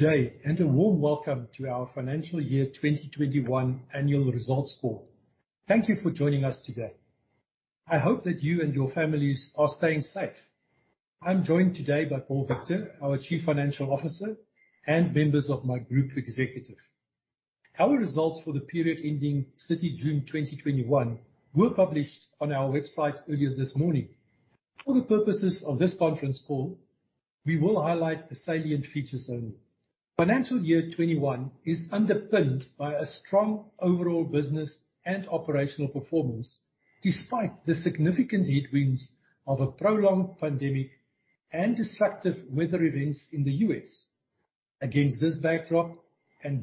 Good day. A warm welcome to our financial year 2021 annual results call. Thank you for joining us today. I hope that you and your families are staying safe. I am joined today by Paul Victor, our Chief Financial Officer, and members of my group executive. Our results for the period ending 30 June 2021 were published on our website earlier this morning. For the purposes of this conference call, we will highlight the salient features only. Financial year 2021 is underpinned by a strong overall business and operational performance, despite the significant headwinds of a prolonged pandemic and destructive weather events in the U.S. Against this backdrop,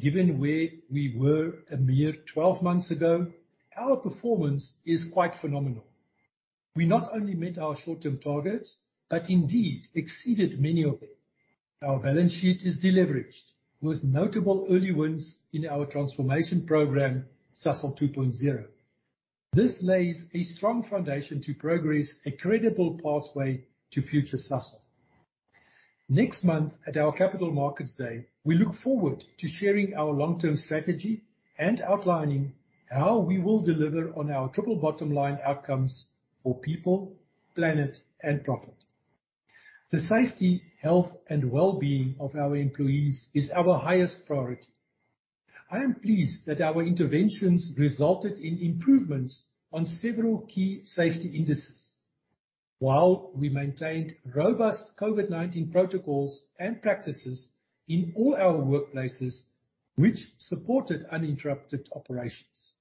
given where we were a mere 12 months ago, our performance is quite phenomenal. We not only met our short-term targets, but indeed exceeded many of them. Our balance sheet is deleveraged, with notable early wins in our transformation program, Sasol 2.0. This lays a strong foundation to progress a credible pathway to future Sasol. Next month at our Capital Markets Day, we look forward to sharing our long-term strategy and outlining how we will deliver on our triple bottom line outcomes for people, planet, and profit. The safety, health, and wellbeing of our employees is our highest priority. I am pleased that our interventions resulted in improvements on several key safety indices. While we maintained robust COVID-19 protocols and practices in all our workplaces, which supported uninterrupted operations.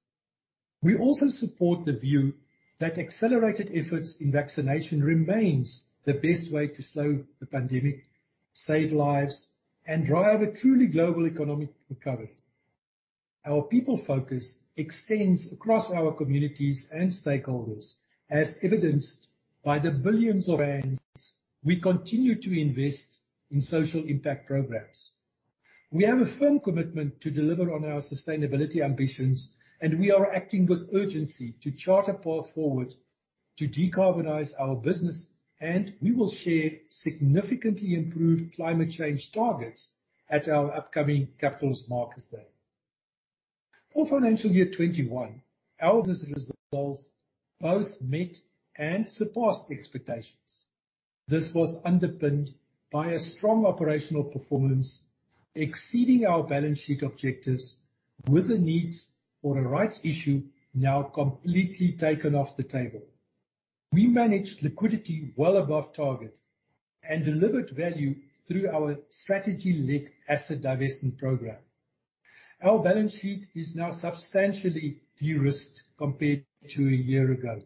We also support the view that accelerated efforts in vaccination remains the best way to slow the pandemic, save lives, and drive a truly global economic recovery. Our people focus extends across our communities and stakeholders, as evidenced by the billions of ZAR we continue to invest in social impact programs. We have a firm commitment to deliver on our sustainability ambitions. We are acting with urgency to chart a path forward to decarbonize our business. We will share significantly improved climate change targets at our upcoming Capital Markets Day. For financial year 2021, our business results both met and surpassed expectations. This was underpinned by a strong operational performance exceeding our balance sheet objectives, with the needs for a rights issue now completely taken off the table. We managed liquidity well above target and delivered value through our strategy-led asset divestment program. Our balance sheet is now substantially de-risked compared to a year ago.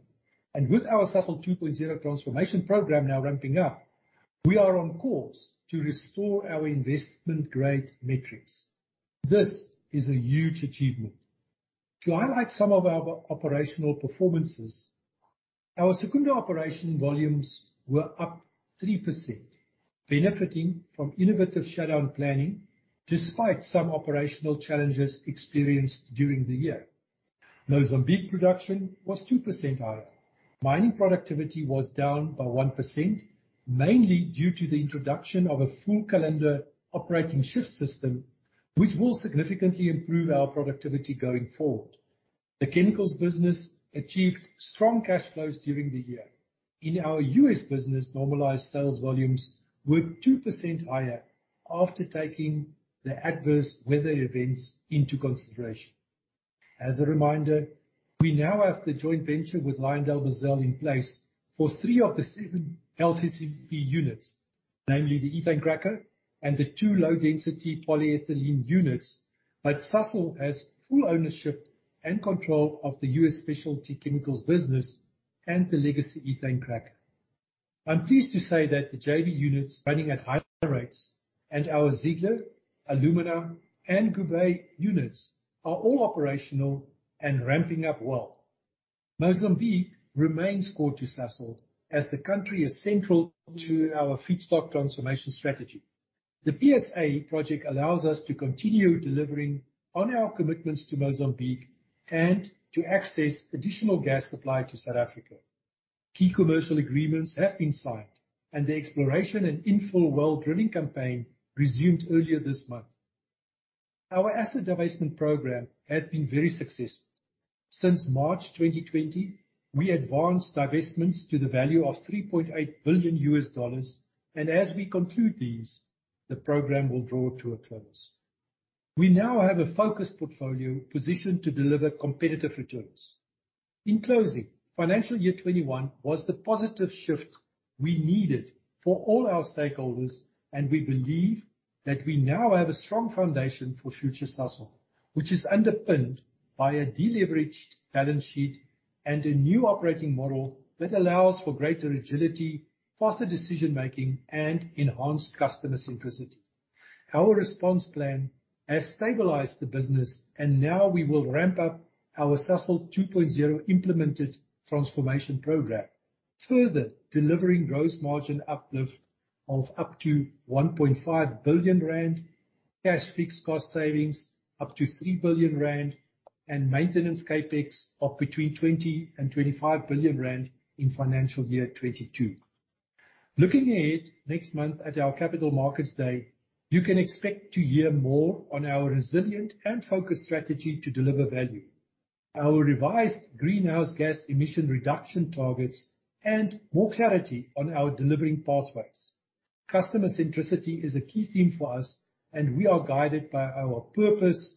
With our Sasol 2.0 transformation program now ramping up, we are on course to restore our investment-grade metrics. This is a huge achievement. To highlight some of our operational performances, our Secunda operation volumes were up 3%, benefiting from innovative shutdown planning despite some operational challenges experienced during the year. Mozambique production was 2% higher. Mining productivity was down by 1%, mainly due to the introduction of a full calendar operating shift system, which will significantly improve our productivity going forward. The chemicals business achieved strong cash flows during the year. In our U.S. business, normalized sales volumes were 2% higher after taking the adverse weather events into consideration. As a reminder, we now have the joint venture with LyondellBasell in place for three of the seven LCCP units, namely the ethane cracker and the two low-density polyethylene units. Sasol has full ownership and control of the U.S. specialty chemicals business and the legacy ethane cracker. I'm pleased to say that the JV units running at high rates and our Ziegler, alumina, and Guerbet units are all operational and ramping up well. Mozambique remains core to Sasol as the country is central to our feedstock transformation strategy. The PSA project allows us to continue delivering on our commitments to Mozambique and to access additional gas supply to South Africa. Key commercial agreements have been signed, and the exploration and infill well drilling campaign resumed earlier this month. Our asset divestment program has been very successful. Since March 2020, we advanced divestments to the value of $3.8 billion, and as we conclude these, the program will draw to a close. We now have a focused portfolio positioned to deliver competitive returns. In closing, financial year 2021 was the positive shift we needed for all our stakeholders, and we believe that we now have a strong foundation for future Sasol, which is underpinned by a deleveraged balance sheet and a new operating model that allows for greater agility, faster decision-making, and enhanced customer simplicity. Our response plan has stabilized the business. Now we will ramp up our Sasol 2.0 implemented transformation program, further delivering gross margin uplift of up to 1.5 billion rand, cash fixed cost savings up to 3 billion rand and maintenance CapEx of between 20 billion and 25 billion rand in financial year 2022. Looking ahead next month at our Capital Markets Day, you can expect to hear more on our resilient and focused strategy to deliver value, our revised greenhouse gas emission reduction targets, and more clarity on our delivering pathways. Customer centricity is a key theme for us, and we are guided by our purpose,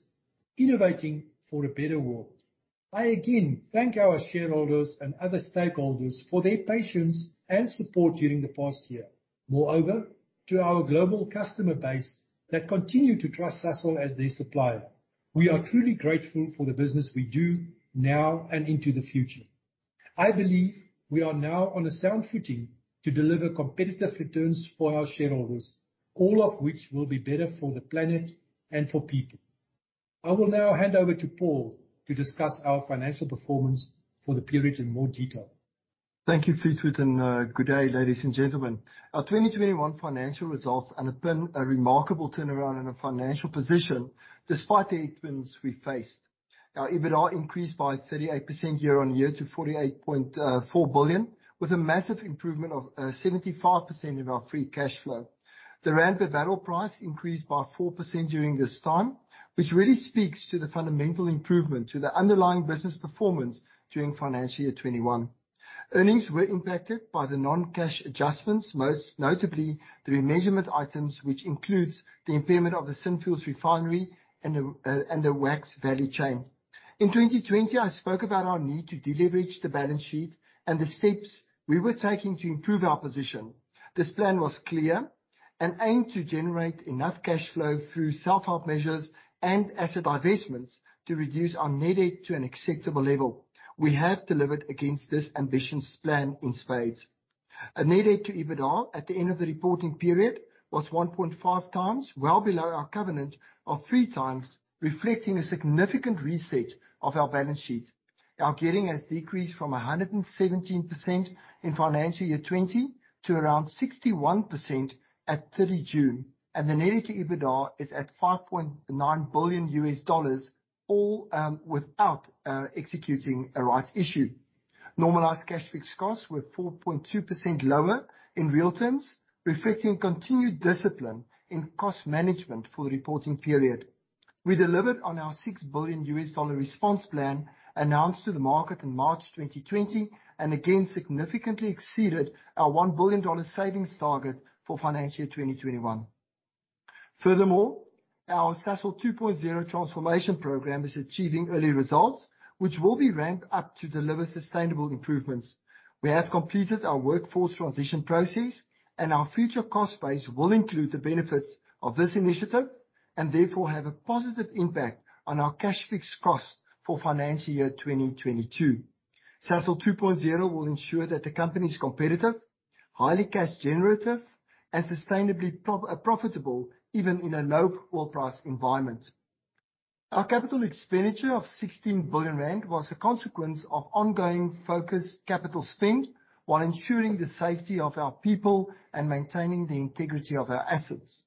innovating for a better world. I again thank our shareholders and other stakeholders for their patience and support during the past year. Moreover, to our global customer base that continue to trust Sasol as their supplier. We are truly grateful for the business we do now and into the future. I believe we are now on a sound footing to deliver competitive returns for our shareholders, all of which will be better for the planet and for people. I will now hand over to Paul to discuss our financial performance for the period in more detail. Thank you, Fleetwood, and good day, ladies and gentlemen. Our 2021 financial results underpin a remarkable turnaround in our financial position, despite the headwinds we faced. Our EBITDA increased by 38% year-on-year to 48.4 billion, with a massive improvement of 75% in our free cash flow. The rand per barrel price increased by 4% during this time, which really speaks to the fundamental improvement to the underlying business performance during financial year 2021. Earnings were impacted by the non-cash adjustments, most notably the remeasurement items, which includes the impairment of the Synfuels refinery and the wax value chain. In 2020, I spoke about our need to deleverage the balance sheet and the steps we were taking to improve our position. This plan was clear and aimed to generate enough cash flow through self-help measures and asset divestments to reduce our net debt to an acceptable level. We have delivered against this ambitious plan in spades. Net debt to EBITDA at the end of the reporting period was 1.5 times, well below our covenant of three times, reflecting a significant reset of our balance sheet. Our gearing has decreased from 117% in financial year 2020 to around 61% at 30 June, and the net debt to EBITDA is at ZAR 5.9 billion, all without executing a rights issue. Normalized cash fixed costs were 4.2% lower in real terms, reflecting continued discipline in cost management for the reporting period. We delivered on our ZAR 6 billion response plan announced to the market in March 2020 and again significantly exceeded our ZAR 1 billion savings target for financial year 2021. Furthermore, our Sasol 2.0 transformation program is achieving early results, which will be ramped up to deliver sustainable improvements. We have completed our workforce transition process, and our future cost base will include the benefits of this initiative and therefore have a positive impact on our cash fixed costs for financial year 2022. Sasol 2.0 will ensure that the company is competitive, highly cash generative, and sustainably profitable even in a low oil price environment. Our capital expenditure of 16 billion rand was a consequence of ongoing focused capital spend while ensuring the safety of our people and maintaining the integrity of our assets.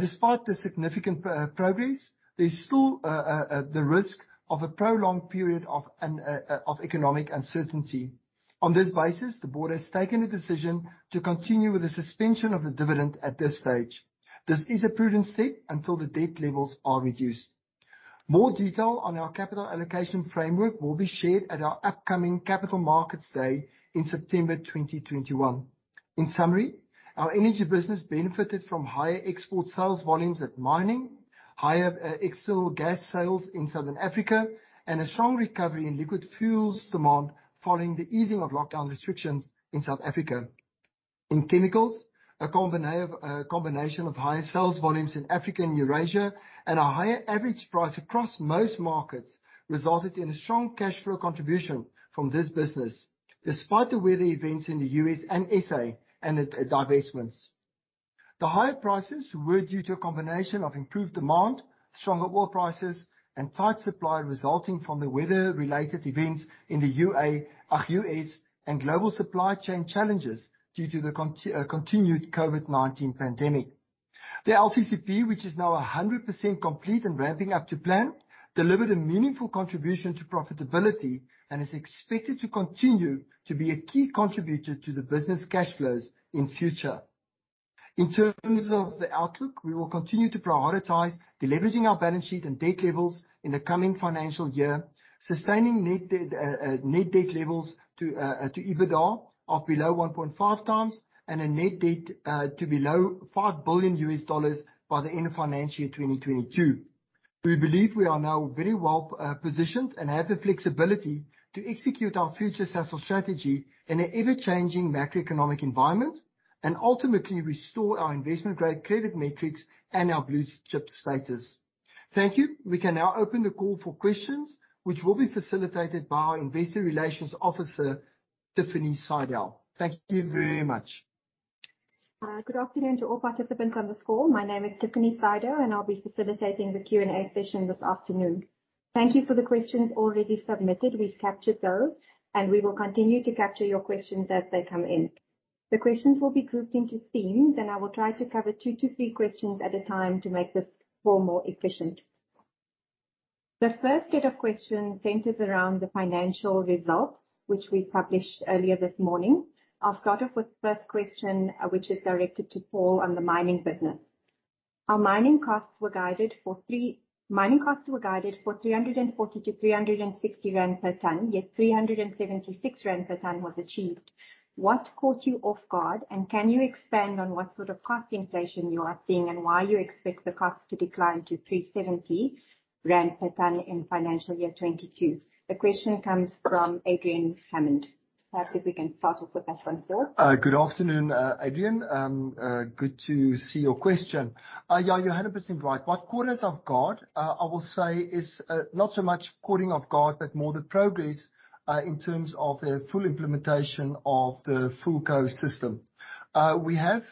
Despite the significant progress, there's still the risk of a prolonged period of economic uncertainty. On this basis, the board has taken a decision to continue with the suspension of the dividend at this stage. This is a prudent step until the debt levels are reduced. More detail on our capital allocation framework will be shared at our upcoming Capital Markets Day in September 2021. Our energy business benefited from higher export sales volumes at mining, higher external gas sales in Southern Africa, and a strong recovery in liquid fuels demand following the easing of lockdown restrictions in South Africa. In chemicals, a combination of higher sales volumes in Africa and Eurasia and a higher average price across most markets resulted in a strong cash flow contribution from this business, despite the weather events in the U.S. and S.A. and divestments. The higher prices were due to a combination of improved demand, stronger oil prices, and tight supply resulting from the weather-related events in the U.S. and global supply chain challenges due to the continued COVID-19 pandemic. The LCCP, which is now 100% complete and ramping up to plan, delivered a meaningful contribution to profitability and is expected to continue to be a key contributor to the business cash flows in future. We will continue to prioritize deleveraging our balance sheet and debt levels in the coming financial year, sustaining net debt levels to EBITDA of below 1.5 times and a net debt to below ZAR 5 billion by the end of financial year 2022. We believe we are now very well-positioned and have the flexibility to execute our future Sasol strategy in an ever-changing macroeconomic environment and ultimately restore our investment-grade credit metrics and our blue-chip status. Thank you. We can now open the call for questions, which will be facilitated by our investor relations officer, Tiffany Sydow. Thank you very much. Good afternoon to all participants on this call. My name is Tiffany Sydow, and I'll be facilitating the Q&A session this afternoon. Thank you for the questions already submitted. We've captured those, and we will continue to capture your questions as they come in. The questions will be grouped into themes, and I will try to cover two to three questions at a time to make this flow more efficient. The first set of questions centers around the financial results, which we published earlier this morning. I'll start off with the first question, which is directed to Paul on the mining business. Mining costs were guided for 340-360 rand per ton, yet 376 rand per ton was achieved. What caught you off guard, and can you expand on what sort of cost inflation you are seeing and why you expect the cost to decline to 370 rand per ton in FY 2022? The question comes from Adrian Hammond. Perhaps if we can start off with that one, Paul. Good afternoon, Adrian. Good to see your question. Yeah, you're 100% right. What caught us off guard, I will say, is not so much caught off guard, but more the progress in terms of the full implementation of the FULCO system. We have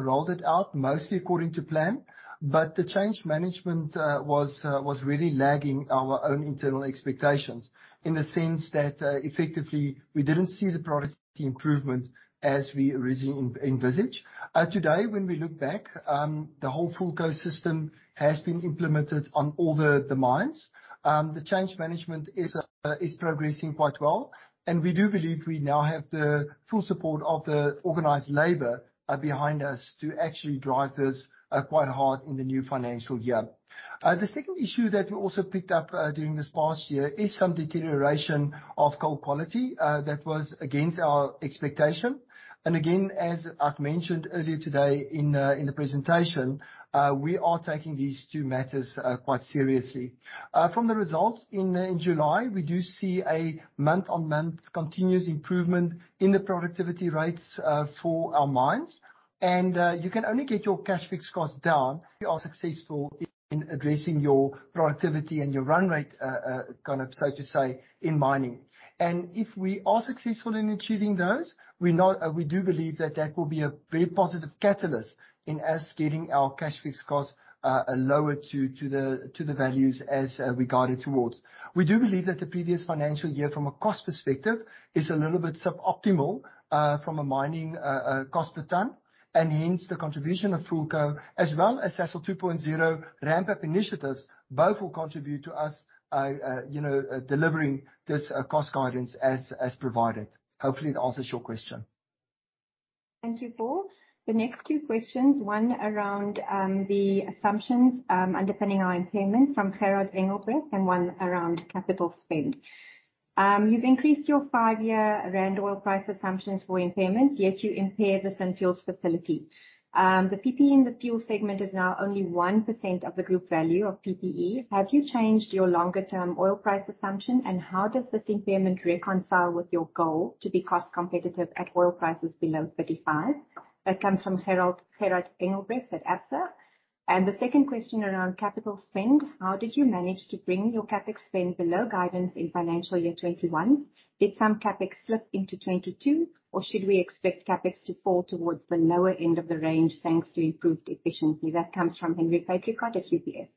rolled it out mostly according to plan, but the change management was really lagging our own internal expectations in the sense that, effectively, we didn't see the productivity improvement as we originally envisaged. Today, when we look back, the whole FULCO system has been implemented on all the mines. The change management is progressing quite well, and we do believe we now have the full support of the organized labor behind us to actually drive this quite hard in the new financial year. The second issue that we also picked up during this past year is some deterioration of coal quality that was against our expectation. Again, as I've mentioned earlier today in the presentation, we are taking these two matters quite seriously. From the results in July, we do see a month-on-month continuous improvement in the productivity rates for our mines. You can only get your cash fixed costs down if you are successful in addressing your productivity and your run rate, so to say, in mining. If we are successful in achieving those, we do believe that that will be a very positive catalyst in us getting our cash fixed costs lower to the values as we guided towards. We do believe that the previous financial year, from a cost perspective, is a little bit suboptimal from a mining cost per ton, and hence the contribution of FULCO as well as Sasol 2.0 ramp-up initiatives, both will contribute to us delivering this cost guidance as provided. Hopefully that answers your question. Thank you, Paul. The next two questions, one around the assumptions underpinning our impairments from Gerhard Engelbrecht, and one around capital spend. You've increased your five-year rand/oil price assumptions for impairments, yet you impaired the Synfuels facility. The PPE in the fuel segment is now only 1% of the group value of PPE. Have you changed your longer-term oil price assumption, and how does this impairment reconcile with your goal to be cost competitive at oil prices below $35? That comes from Gerhard Engelbrecht at Absa. The second question around capital spend, how did you manage to bring your CapEx spend below guidance in financial year 2021? Did some CapEx slip into 2022, or should we expect CapEx to fall towards the lower end of the range, thanks to improved efficiency? That comes from Henri Patricot at UBS.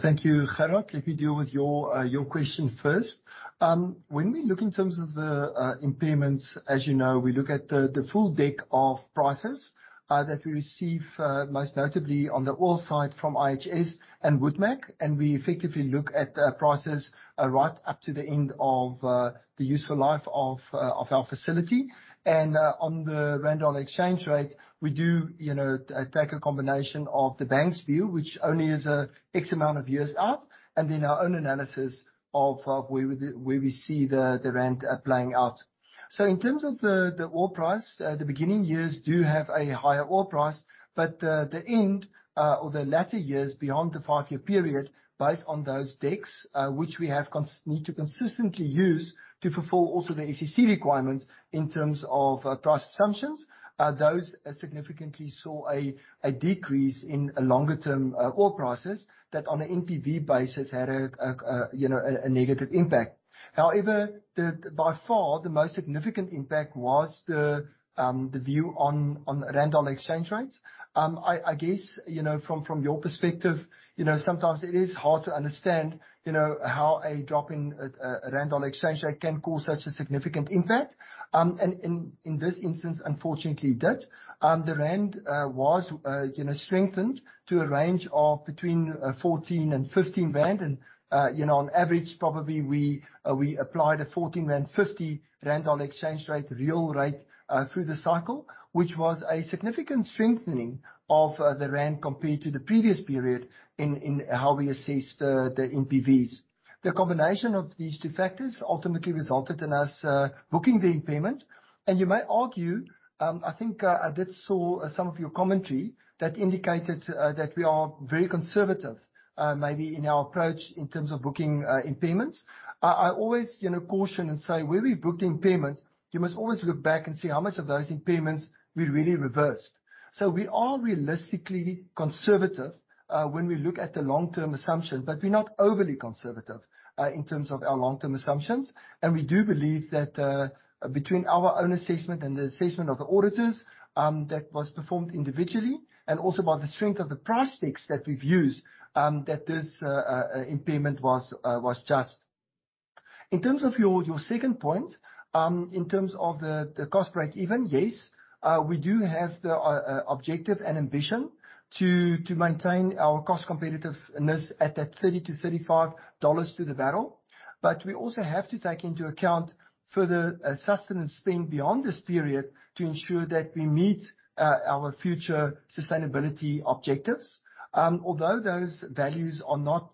Thank you, Gerhard. Let me deal with your question first. When we look in terms of the impairments, as you know, we look at the full deck of prices that we receive, most notably on the oil side from IHS and WoodMac, we effectively look at prices right up to the end of the useful life of our facility. On the rand/dollar exchange rate, we do take a combination of the bank's view, which only is X amount of years out, and then our own analysis of where we see the rand playing out. In terms of the oil price, the beginning years do have a higher oil price, but the end or the latter years beyond the five-year period, based on those decks, which we need to consistently use to fulfill also the SEC requirements in terms of price assumptions. Those significantly saw a decrease in longer-term oil prices that on an NPV basis had a negative impact. However, by far, the most significant impact was the view on rand/dollar exchange rates. I guess from your perspective, sometimes it is hard to understand how a drop in rand/dollar exchange rate can cause such a significant impact. In this instance, unfortunately, it did. The rand was strengthened to a range of between 14 and 15 rand, and on average, probably, we applied a 14.50 rand rand/dollar exchange rate, real rate through the cycle, which was a significant strengthening of the rand compared to the previous period in how we assessed the NPVs. The combination of these two factors ultimately resulted in us booking the impairment. You may argue, I think I did see some of your commentary that indicated that we are very conservative, maybe in our approach in terms of booking impairments. I always caution and say, where we booked impairments, you must always look back and see how much of those impairments we really reversed. We are realistically conservative when we look at the long-term assumption, but we are not overly conservative in terms of our long-term assumptions. We do believe that between our own assessment and the assessment of the auditors that was performed individually, and also by the strength of the price decks that we've used, that this impairment was just. In terms of your second point, in terms of the cost break even, yes, we do have the objective and ambition to maintain our cost competitiveness at that ZAR 30-ZAR 35 to the barrel. We also have to take into account further sustenance spend beyond this period to ensure that we meet our future sustainability objectives. Although those values are not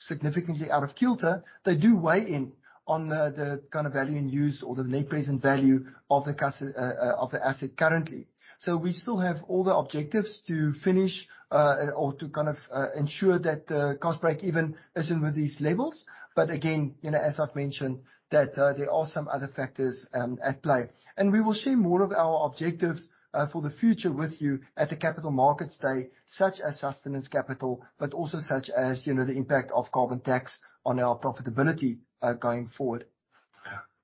significantly out of kilter, they do weigh in on the kind of value in use or the net present value of the asset currently. We still have all the objectives to finish or to ensure that the cost break even is in with these levels. Again, as I've mentioned, that there are some other factors at play. We will share more of our objectives for the future with you at the Capital Markets Day, such as sustenance capital, but also such as the impact of carbon tax on our profitability going forward.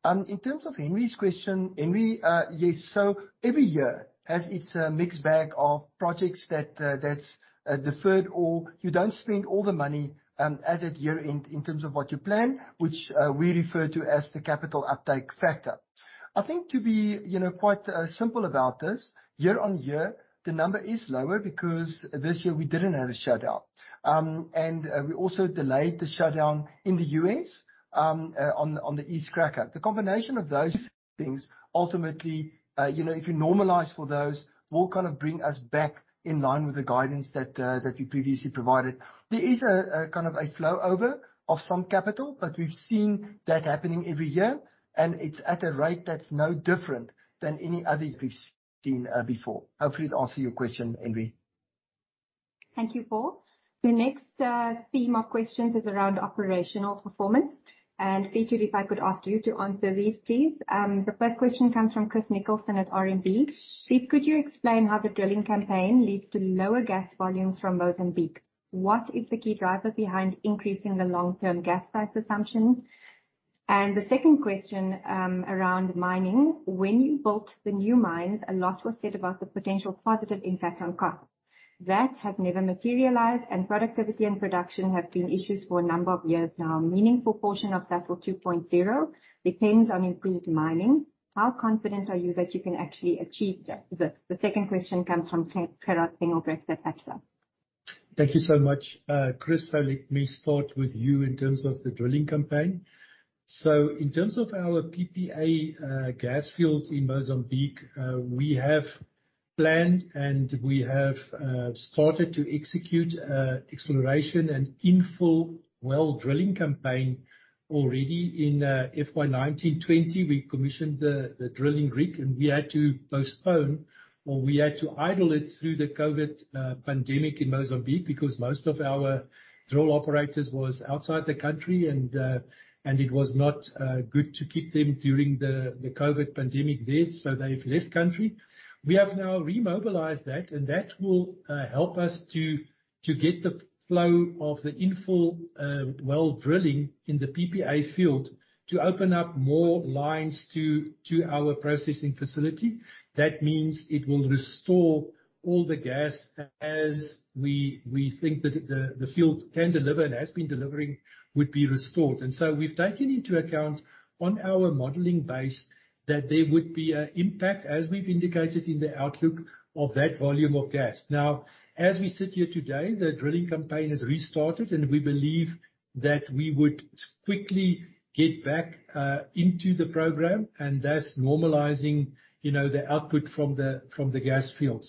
In terms of Henri's question, Henri, yes. Every year has its mixed bag of projects that is deferred, or you do not spend all the money as at year-end in terms of what you plan, which we refer to as the capital uptake factor. I think to be quite simple about this, year on year, the number is lower because this year we did not have a shutdown. We also delayed the shutdown in the U.S. on the ethane cracker. The combination of those things, ultimately, if you normalize for those, will bring us back in line with the guidance that we previously provided. There is a flow over of some capital, but we've seen that happening every year, and it is at a rate that is no different than any other we've seen before. Hopefully, I've answered your question, Henri. Thank you, Paul. The next theme of questions is around operational performance. Pieter, if I could ask you to answer these, please. The first question comes from Chris Nicholson at RMB. Chris, could you explain how the drilling campaign leads to lower gas volumes from Mozambique? What is the key driver behind increasing the long-term gas price assumptions? The second question around mining. When you built the new mines, a lot was said about the potential positive impact on costs. That has never materialized, and productivity and production have been issues for a number of years now. A meaningful portion of Sasol 2.0 depends on improved mining. How confident are you that you can actually achieve that? The second question comes from Thank you so much, Chris. Let me start with you in terms of the drilling campaign. In terms of our PSA gas field in Mozambique, we have planned and we have started to execute exploration and infill well drilling campaign already in FY 2019/2020. We commissioned the drilling rig. We had to postpone, or we had to idle it through the COVID pandemic in Mozambique because most of our drill operators was outside the country, and it was not good to keep them during the COVID pandemic there. They've left country. We have now remobilized that, and that will help us to get the flow of the infill well drilling in the PSA field to open up more lines to our processing facility. That means it will restore all the gas as we think that the field can deliver and has been delivering would be restored. We've taken into account on our modeling base that there would be an impact, as we've indicated in the outlook of that volume of gas. As we sit here today, the drilling campaign has restarted. We believe that we would quickly get back into the program, and thus normalizing the output from the gas field.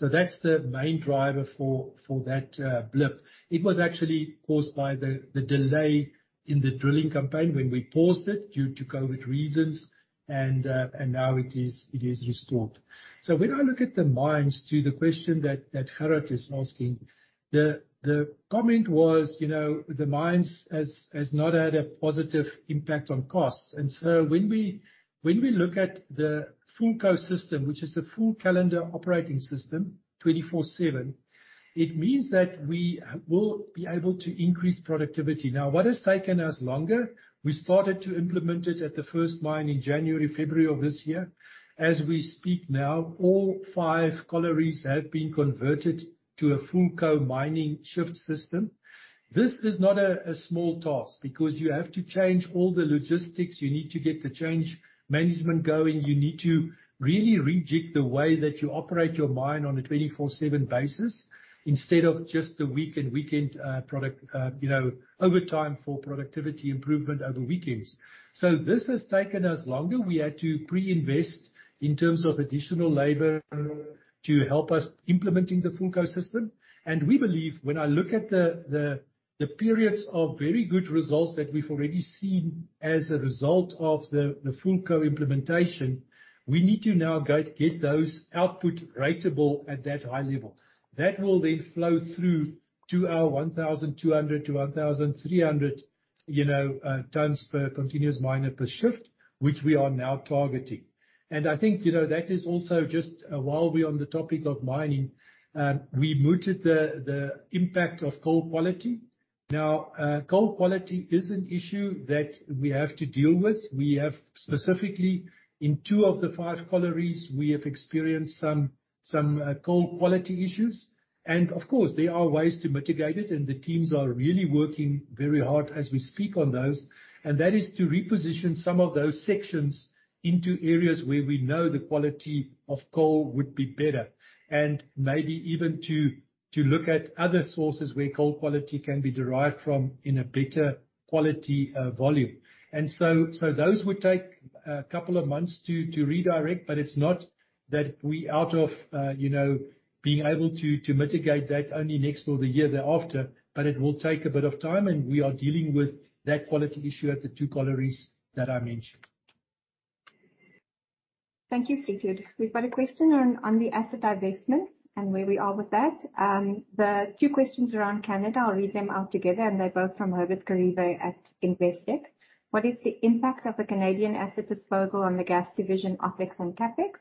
That's the main driver for that blip. It was actually caused by the delay in the drilling campaign when we paused it due to COVID reasons. Now it is restored. When I look at the mines to the question that Herod is asking, the comment was, the mines has not had a positive impact on costs. When we look at the FULCO system, which is a Full Calendar Operation system, 24/7, it means that we will be able to increase productivity. What has taken us longer, we started to implement it at the first mine in January, February of this year. As we speak now, all five collieries have been converted to a FULCO mining shift system. This is not a small task because you have to change all the logistics. You need to get the change management going. You need to really rejig the way that you operate your mine on a 24/7 basis instead of just the week and weekend overtime for productivity improvement over weekends. This has taken us longer. We had to pre-invest in terms of additional labor to help us implementing the FULCO system. We believe when I look at the periods of very good results that we've already seen as a result of the FULCO implementation, we need to now get those output ratable at that high level. That will then flow through to our 1,200 to 1,300 tons per continuous miner per shift, which we are now targeting. I think, that is also just while we're on the topic of mining, we mooted the impact of coal quality. Coal quality is an issue that we have to deal with. We have specifically in two of the five collieries, we have experienced some Some coal quality issues. Of course, there are ways to mitigate it, the teams are really working very hard as we speak on those. That is to reposition some of those sections into areas where we know the quality of coal would be better, maybe even to look at other sources where coal quality can be derived from in a better quality volume. Those would take a couple of months to redirect, but it's not that we out of being able to mitigate that only next or the year thereafter, but it will take a bit of time, and we are dealing with that quality issue at the two collieries that I mentioned. Thank you, Fleetwood. We've got a question on the asset divestments and where we are with that. The two questions around Canada, I'll read them out together, they're both from Herbert Kharivhe at Investec. What is the impact of the Canadian asset disposal on the gas division OpEx and CapEx?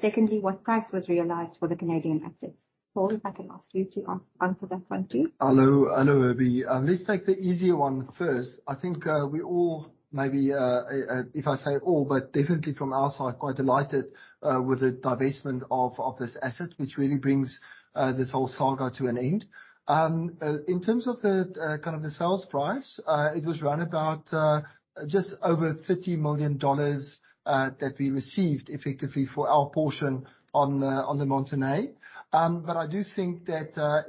Secondly, what price was realized for the Canadian assets? Paul, if I can ask you to answer that one, too. Hello, Herbie. Let's take the easier one first. I think we all, maybe if I say all, but definitely from our side, quite delighted with the divestment of this asset, which really brings this whole saga to an end. In terms of the sales price, it was around about just over $30 million that we received effectively for our portion on the Montney. I do think that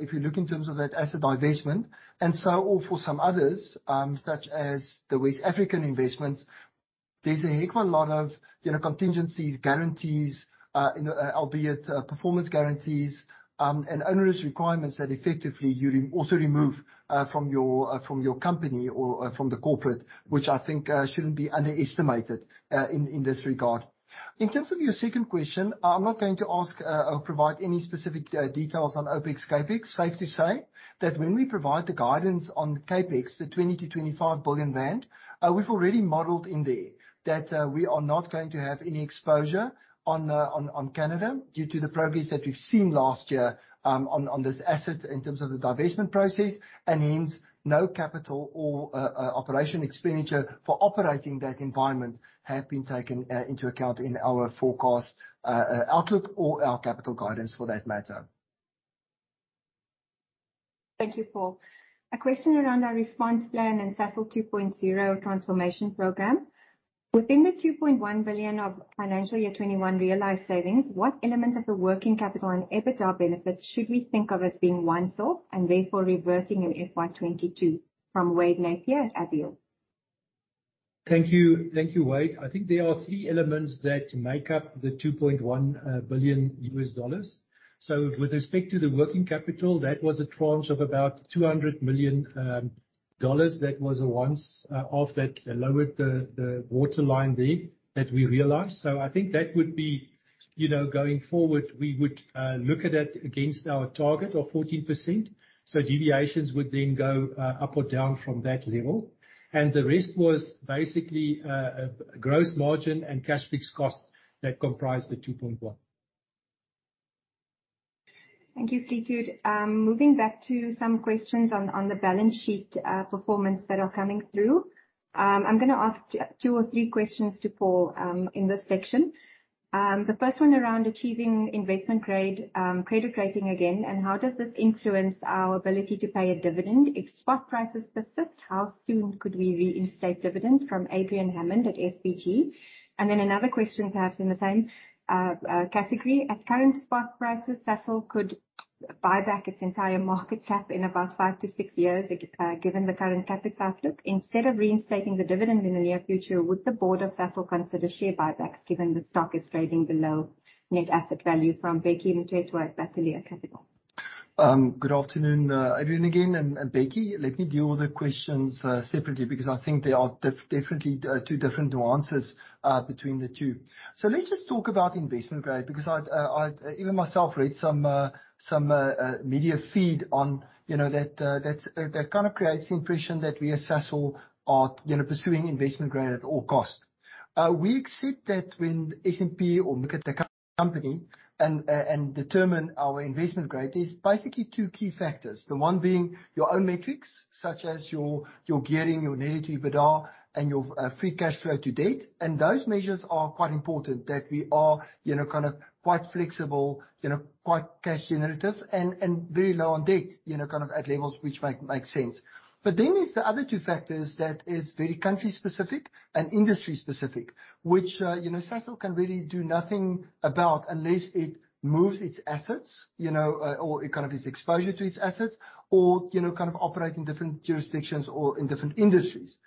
if you look in terms of that asset divestment, all for some others, such as the West African investments, there's a heck of a lot of contingencies, guarantees, albeit performance guarantees, and onerous requirements that effectively you also remove from your company or from the corporate, which I think shouldn't be underestimated in this regard. In terms of your second question, I'm not going to ask or provide any specific details on OpEx, CapEx. Safe to say that when we provide the guidance on CapEx, the $20 billion-$25 billion band, we've already modeled in there that we are not going to have any exposure on Canada due to the progress that we've seen last year on this asset in terms of the divestment process, hence, no capital or operation expenditure for operating that environment have been taken into account in our forecast outlook or our capital guidance for that matter. Thank you, Paul. A question around our response plan and Sasol 2.0 transformation program. Within the 2.1 billion of financial year 2021 realized savings, what element of the working capital and EBITDA benefits should we think of as being once-off and therefore reversing in FY 2022 from Wade Napier at Avior? Thank you, Wade. I think there are three elements that make up the ZAR 2.1 billion. With respect to the working capital, that was a tranche of about ZAR 200 million that was a once-off that lowered the waterline there that we realized. I think that would be going forward, we would look at it against our target of 14%. Deviations would then go up or down from that level. The rest was basically a gross margin and cash fixed cost that comprised the 2.1 billion. Thank you, Fleetwood. Moving back to some questions on the balance sheet performance that are coming through. I am going to ask two or three questions to Paul in this section. The first one around achieving investment grade credit rating again, and how does this influence our ability to pay a dividend? If spot prices persist, how soon could we reinstate dividends from Adrian Hammond at SBG Securities? Another question, perhaps in the same category. At current spot prices, Sasol could buy back its entire market cap in about five to six years, given the current CapEx outlook. Instead of reinstating the dividend in the near future, would the board of Sasol consider share buybacks given the stock is trading below net asset value from Becky Mat wet at Batlhale Capital? Good afternoon, Adrian again and Becky. Let me deal with the questions separately because I think there are definitely two different nuances between the two. Let's just talk about investment grade, because I, even myself, read some media feed on that creates the impression that we as Sasol are pursuing investment grade at all costs. We accept that when S&P or Moody's look at the company and determine our investment grade, there is basically two key factors. The one being your own metrics, such as your gearing, your net EBITDA, and your free cash flow to date. Those measures are quite important that we are quite flexible, quite cash generative, and very low on debt, at levels which make sense. There's the other two factors that is very country specific and industry specific, which Sasol can really do nothing about unless it moves its assets or its exposure to its assets or operate in different jurisdictions or in different industries.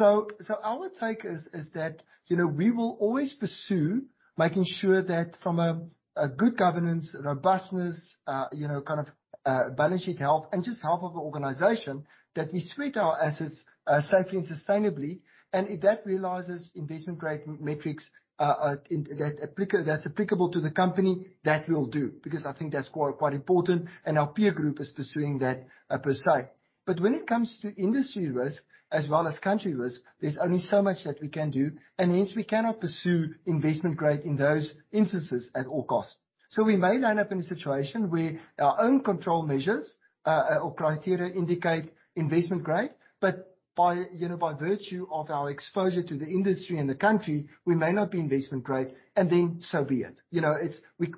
Our take is that we will always pursue making sure that from a good governance, robustness, balance sheet health, and just health of the organization, that we steward our assets safely and sustainably. If that realizes investment grade metrics that's applicable to the company, that will do, because I think that's quite important, and our peer group is pursuing that per se. When it comes to industry risk as well as country risk, there's only so much that we can do, and hence we cannot pursue investment grade in those instances at all costs. We may land up in a situation where our own control measures or criteria indicate investment grade, but by virtue of our exposure to the industry and the country, we may not be investment grade, and then so be it.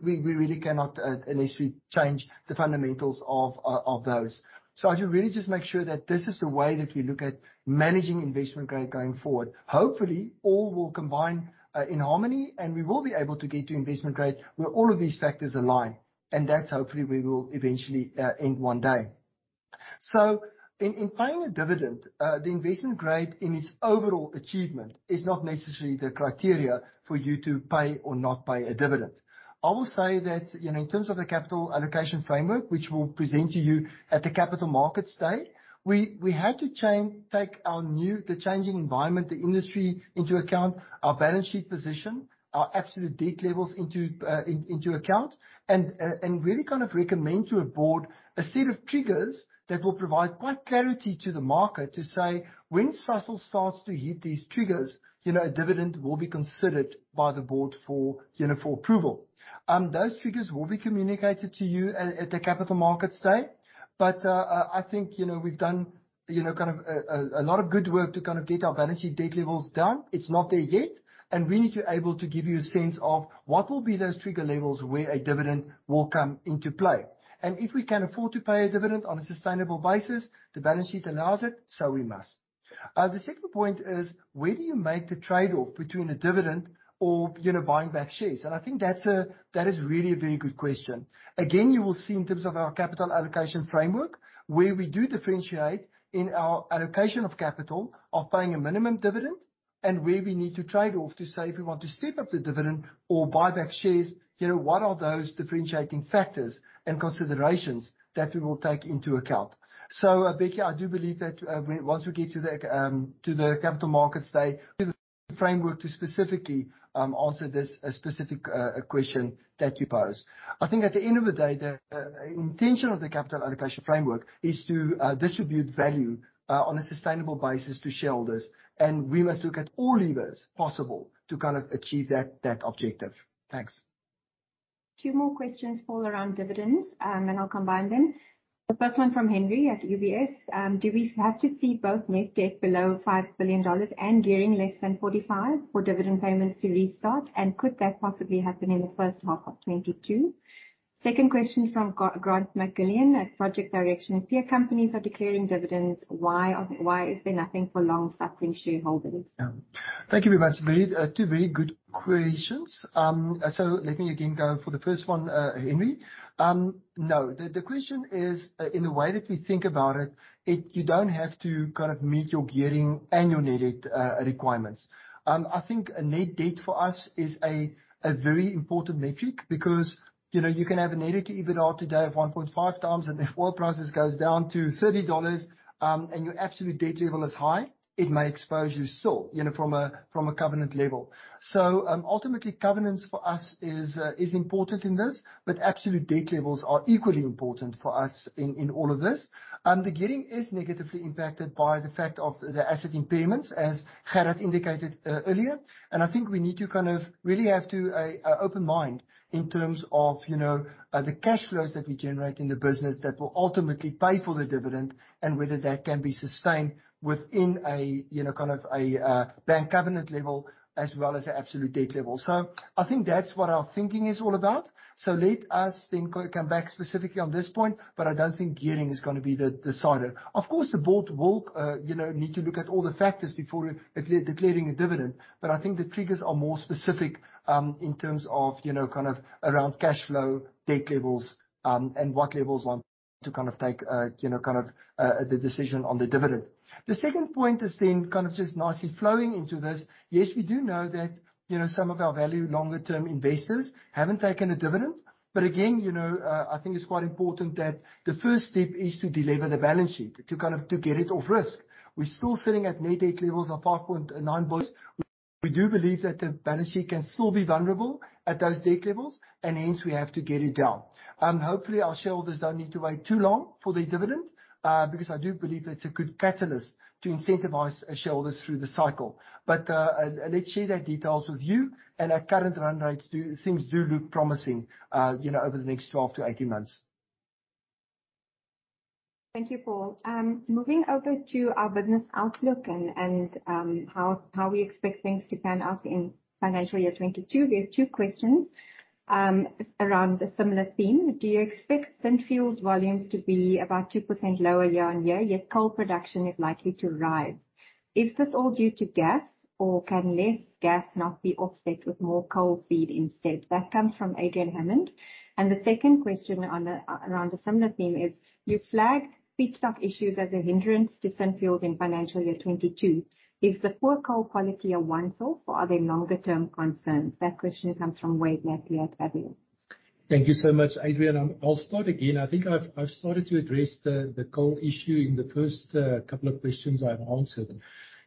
We really cannot unless we change the fundamentals of those. I should really just make sure that this is the way that we look at managing investment grade going forward. Hopefully, all will combine in harmony, and we will be able to get to investment grade where all of these factors align. That's hopefully we will eventually end one day. In paying a dividend, the investment grade in its overall achievement is not necessarily the criteria for you to pay or not pay a dividend. I will say that, in terms of the capital allocation framework, which we'll present to you at the Capital Markets Day, we had to take the changing environment, the industry into account, our balance sheet position, our absolute debt levels into account, and really recommend to a board a set of triggers that will provide quite clarity to the market to say, when Sasol starts to hit these triggers, a dividend will be considered by the board for approval. Those triggers will be communicated to you at the Capital Markets Day. I think we've done a lot of good work to get our balance sheet debt levels down. It's not there yet, and we need to be able to give you a sense of what will be those trigger levels where a dividend will come into play. If we can afford to pay a dividend on a sustainable basis, the balance sheet allows it, so we must. The second point is, where do you make the trade-off between a dividend or buying back shares? I think that is really a very good question. Again, you will see in terms of our capital allocation framework, where we do differentiate in our allocation of capital, of paying a minimum dividend, and where we need to trade off to say, if we want to step up the dividend or buy back shares, what are those differentiating factors and considerations that we will take into account. Becky, I do believe that once we get to the Capital Markets Day, the framework to specifically answer this specific question that you posed. I think at the end of the day, the intention of the capital allocation framework is to distribute value on a sustainable basis to shareholders, and we must look at all levers possible to achieve that objective. Thanks. Two more questions, Paul Victor, around dividends. Then I'll combine them. The first one from Henri Patricot at UBS. Do we have to see both net debt below ZAR 5 billion and gearing less than 45% for dividend payments to restart? Could that possibly happen in the first half of 2022? Second question from Grant McGillan at Project Director. If peer companies are declaring dividends, why is there nothing for long-suffering shareholders? Yeah. Thank you very much. Two very good questions. Let me again go for the first one, Henri Patricot. No. The question is, in the way that we think about it, you don't have to meet your gearing and your net debt requirements. I think net debt for us is a very important metric because, you can have a net debt EBITDA today of 1.5 times, and if oil prices goes down to ZAR 30, and your absolute debt level is high, it may expose you still from a covenant level. Ultimately, covenants for us is important in this, but absolute debt levels are equally important for us in all of this. The gearing is negatively impacted by the fact of the asset impairments, as Gerhard indicated earlier. I think we need to really have to open mind in terms of the cash flows that we generate in the business that will ultimately pay for the dividend and whether that can be sustained within a bank covenant level as well as the absolute debt level. I think that's what our thinking is all about. Let us then come back specifically on this point, I don't think gearing is going to be the decider. Of course, the board will need to look at all the factors before declaring a dividend, I think the triggers are more specific, in terms of around cash flow, debt levels, and what levels to take the decision on the dividend. The second point is then just nicely flowing into this. Yes, we do know that some of our value longer term investors haven't taken a dividend. I think it's quite important that the first step is to delever the balance sheet to get it off risk. We're still sitting at net debt levels of $5.9 billion. We do believe that the balance sheet can still be vulnerable at those debt levels, and hence we have to get it down. Hopefully, our shareholders don't need to wait too long for their dividend, because I do believe that it's a good catalyst to incentivize our shareholders through the cycle. Let's share that details with you and our current run rates things do look promising over the next 12 to 18 months. Thank you, Paul. Moving over to our business outlook and how we expect things to pan out in financial year 2022. We have two questions around a similar theme. Do you expect Synfuels volumes to be about 2% lower year-on-year, yet coal production is likely to rise? Is this all due to gas, or can less gas not be offset with more coal feed instead? That comes from Adrian Hammond. The second question around a similar theme is, you flagged feedstock issues as a hindrance to Synfuels in financial year 2022. Is the poor coal quality a once-off or are there longer term concerns? That question comes from Wade Langley at Avior. Thank you so much, Adrian. I'll start again. I think I've started to address the coal issue in the first couple of questions I've answered.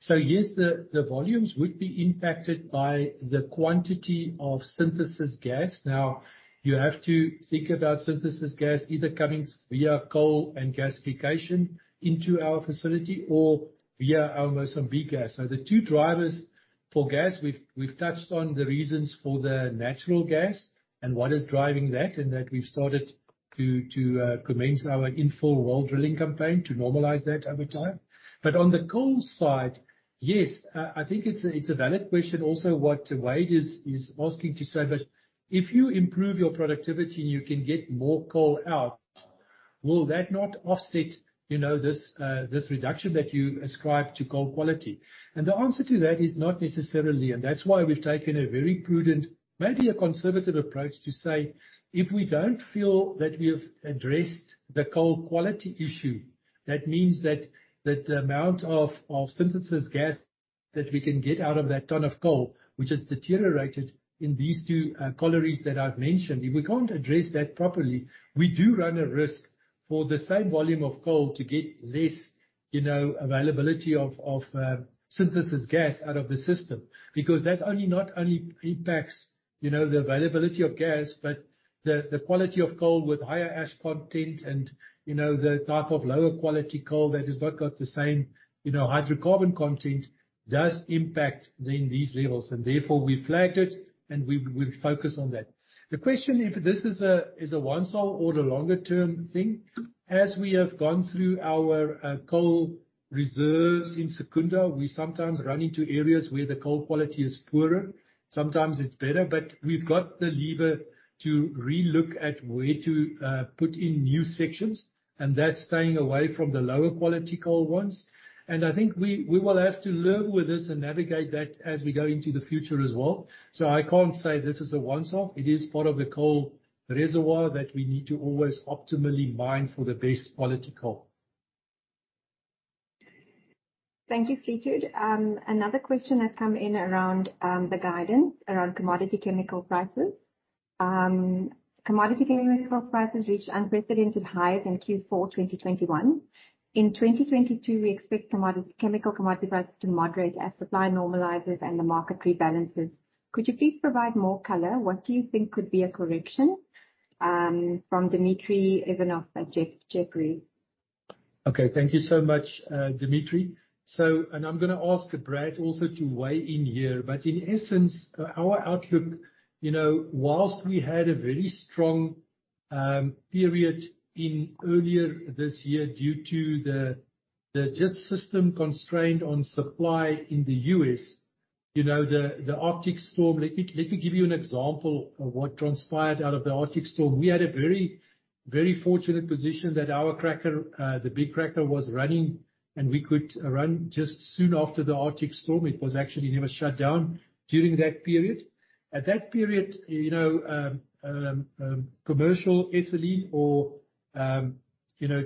Yes, the volumes would be impacted by the quantity of synthesis gas. Now, you have to think about synthesis gas either coming via coal and gasification into our facility or via our Mozambique gas. The two drivers for gas, we've touched on the reasons for the natural gas and what is driving that, and that we've started to commence our infill well drilling campaign to normalize that over time. On the coal side, yes, I think it's a valid question also what Wade is asking to say that if you improve your productivity and you can get more coal out, will that not offset this reduction that you ascribe to coal quality? The answer to that is not necessarily, and that's why we've taken a very prudent, maybe a conservative approach to say, if we don't feel that we have addressed the coal quality issue, that means that the amount of synthesis gas. That we can get out of that ton of coal, which has deteriorated in these two collieries that I've mentioned. If we can't address that properly, we do run a risk for the same volume of coal to get less availability of synthesis gas out of the system. That not only impacts the availability of gas, but the quality of coal with higher ash content and the type of lower quality coal that has not got the same hydrocarbon content, does impact then these levels, and therefore we flag it, and we focus on that. The question if this is a once-off or a longer-term thing. As we have gone through our coal reserves in Secunda, we sometimes run into areas where the coal quality is poorer. Sometimes it's better. We've got the lever to relook at where to put in new sections, and that's staying away from the lower quality coal ones. I think we will have to live with this and navigate that as we go into the future as well. I can't say this is a once-off. It is part of the coal reservoir that we need to always optimally mine for the best quality coal. Thank you, Fleetwood. Another question has come in around the guidance around commodity chemical prices. Commodity chemical prices reached unprecedented highs in Q4 2021. In 2022, we expect chemical commodity prices to moderate as supply normalizes and the market rebalances. Could you please provide more color? What do you think could be a correction? From Dmitry Ivanov at Jefferies. Thank you so much, Dmitry. I'm going to ask Brad also to weigh in here. In essence, our outlook, whilst we had a very strong period in earlier this year due to the just system constrained on supply in the U.S., the Arctic storm. Let me give you an example of what transpired out of the Arctic storm. We had a very fortunate position that our cracker, the big cracker, was running, and we could run just soon after the Arctic storm. It was actually never shut down during that period. At that period, commercial ethylene or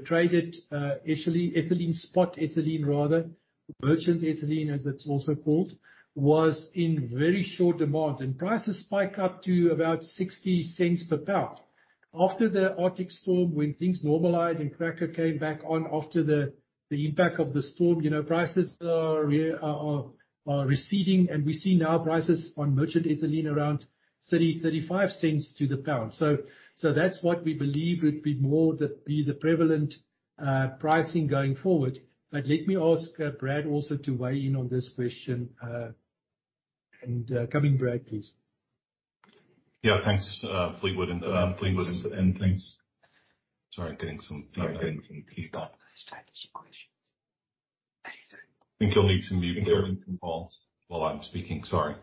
traded ethylene spot, ethylene rather, merchant ethylene, as it's also called, was in very short demand, and prices spike up to about $0.60 per pound. After the Arctic storm, when things normalized and cracker came back on after the impact of the storm, prices are receding, and we see now prices on merchant ethylene around $0.30-$0.35 to the pound. That's what we believe would be more the prevalent pricing going forward. Let me ask Brad also to weigh in on this question. Come in, Brad, please. Yeah, thanks, Fleetwood. Thanks. Sorry, getting some feedback and keystrokes. I think you'll need to mute there, Paul, while I'm speaking. Sorry.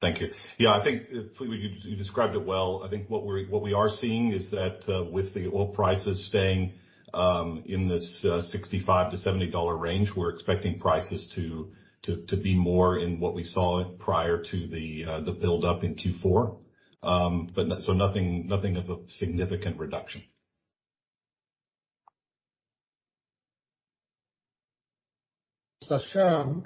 Thank you. I think, Fleetwood, you described it well. I think what we are seeing is that with the oil prices staying in this $65-$70 range, we're expecting prices to be more in what we saw prior to the buildup in Q4. Nothing of a significant reduction. Sashank,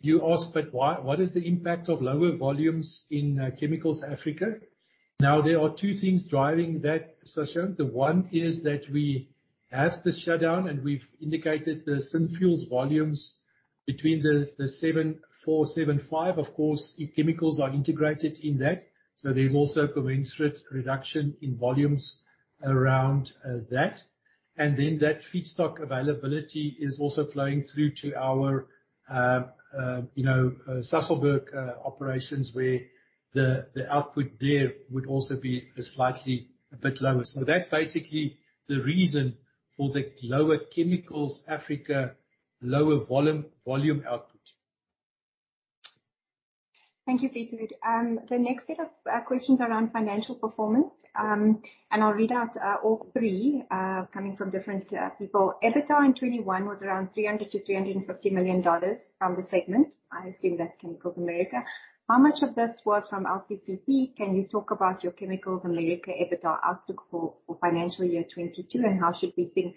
you asked, what is the impact of lower volumes in Chemicals Africa? There are two things driving that, Sashank. The one is that we have the shutdown, and we've indicated the Synfuels volumes between the 74-75. Of course, chemicals are integrated in that. There's also a commensurate reduction in volumes around that. That feedstock availability is also flowing through to our Sasolburg operations, where the output there would also be slightly a bit lower. That's basically the reason for the lower Chemicals Africa lower volume output. Thank you, Fleetwood. The next set of questions around financial performance. I'll read out all three coming from different people. EBITDA in 2021 was around $300 million-$350 million from the segment. I assume that's Chemicals America. How much of this was from LCCP? Can you talk about your Chemicals America EBITDA outlook for financial year 2022, and how should we think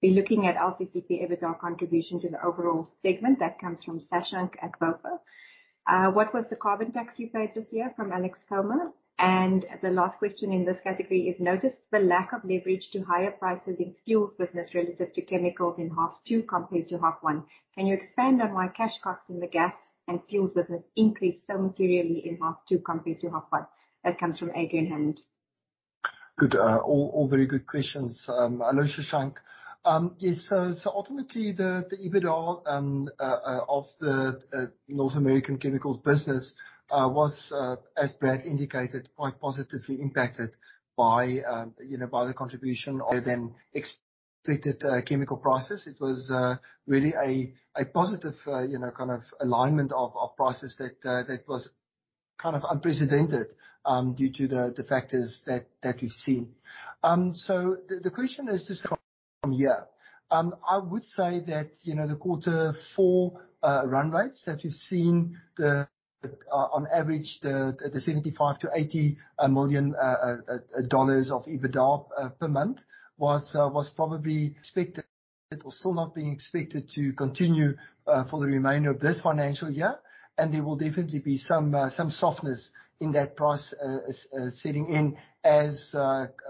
be looking at LCCP EBITDA contribution to the overall segment? That comes from Sashank at Voya. What was the carbon tax you paid this year from Alex Comer? The last question in this category is, notice the lack of leverage to higher prices in fuels business relative to chemicals in half two compared to half one. Can you expand on why cash costs in the gas and fuels business increased so materially in half two compared to half one? That comes from Adrian Hammond. Good. All very good questions. Hello, Sashank. Ultimately, the EBITDA of the North American chemicals business was, as Brad indicated, quite positively impacted by the contribution of an expected chemical process. It was really a positive kind of alignment of process that was unprecedented due to the factors that we've seen. The question is, just from here. I would say that the quarter four run rates that we've seen the On average, the ZAR 75 million-ZAR 80 million of EBITDA per month was probably expected. It was still not being expected to continue for the remainder of this financial year, and there will definitely be some softness in that price setting in, as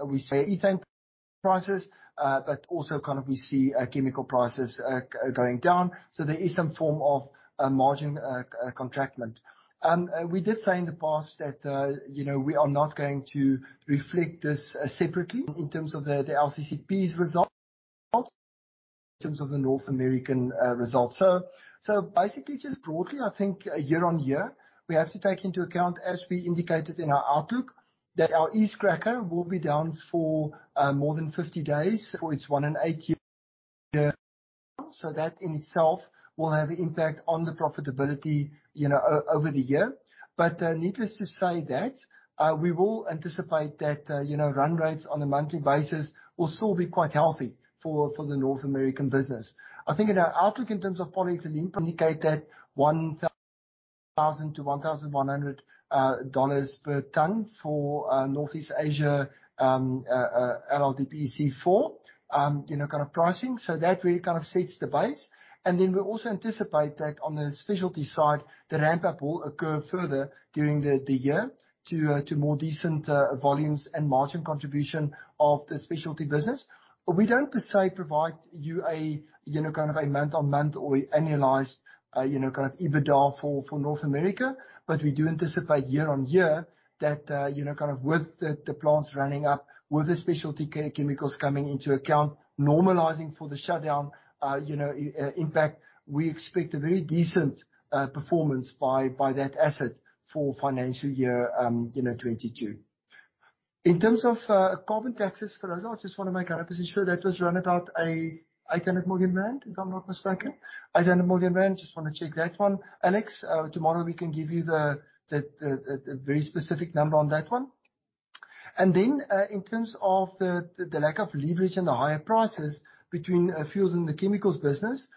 we say, ethane prices, but also we see chemical prices going down. There is some form of margin contractant. We did say in the past that we are not going to reflect this separately in terms of the LCCP results, in terms of the North American results. Basically, just broadly, I think year-on-year, we have to take into account, as we indicated in our outlook, that our ethane cracker will be down for more than 50 days for its one in eight year. That in itself will have impact on the profitability over the year. Needless to say that, we will anticipate that run rates on a monthly basis will still be quite healthy for the North American business. I think in our outlook in terms of polyethylene indicated ZAR 1,000-ZAR 1,100 per ton for Northeast Asia, LLDPE C4 kind of pricing. That really sets the base. We also anticipate that on the specialty side, the ramp-up will occur further during the year to more decent volumes and margin contribution of the specialty business. We don't per se provide you a month-on-month or annualized, kind of EBITDA for North America. We do anticipate year-on-year that with the plants running up, with the specialty chemicals coming into account, normalizing for the shutdown impact, we expect a very decent performance by that asset for financial year 2022. In terms of carbon taxes, for those, I just want to make 100% sure that was rounded out 800 million rand, if I'm not mistaken. 800 million rand, just want to check that one. Alex, tomorrow we can give you the very specific number on that one. In terms of the lack of leverage and the higher prices between fuels and the chemicals business,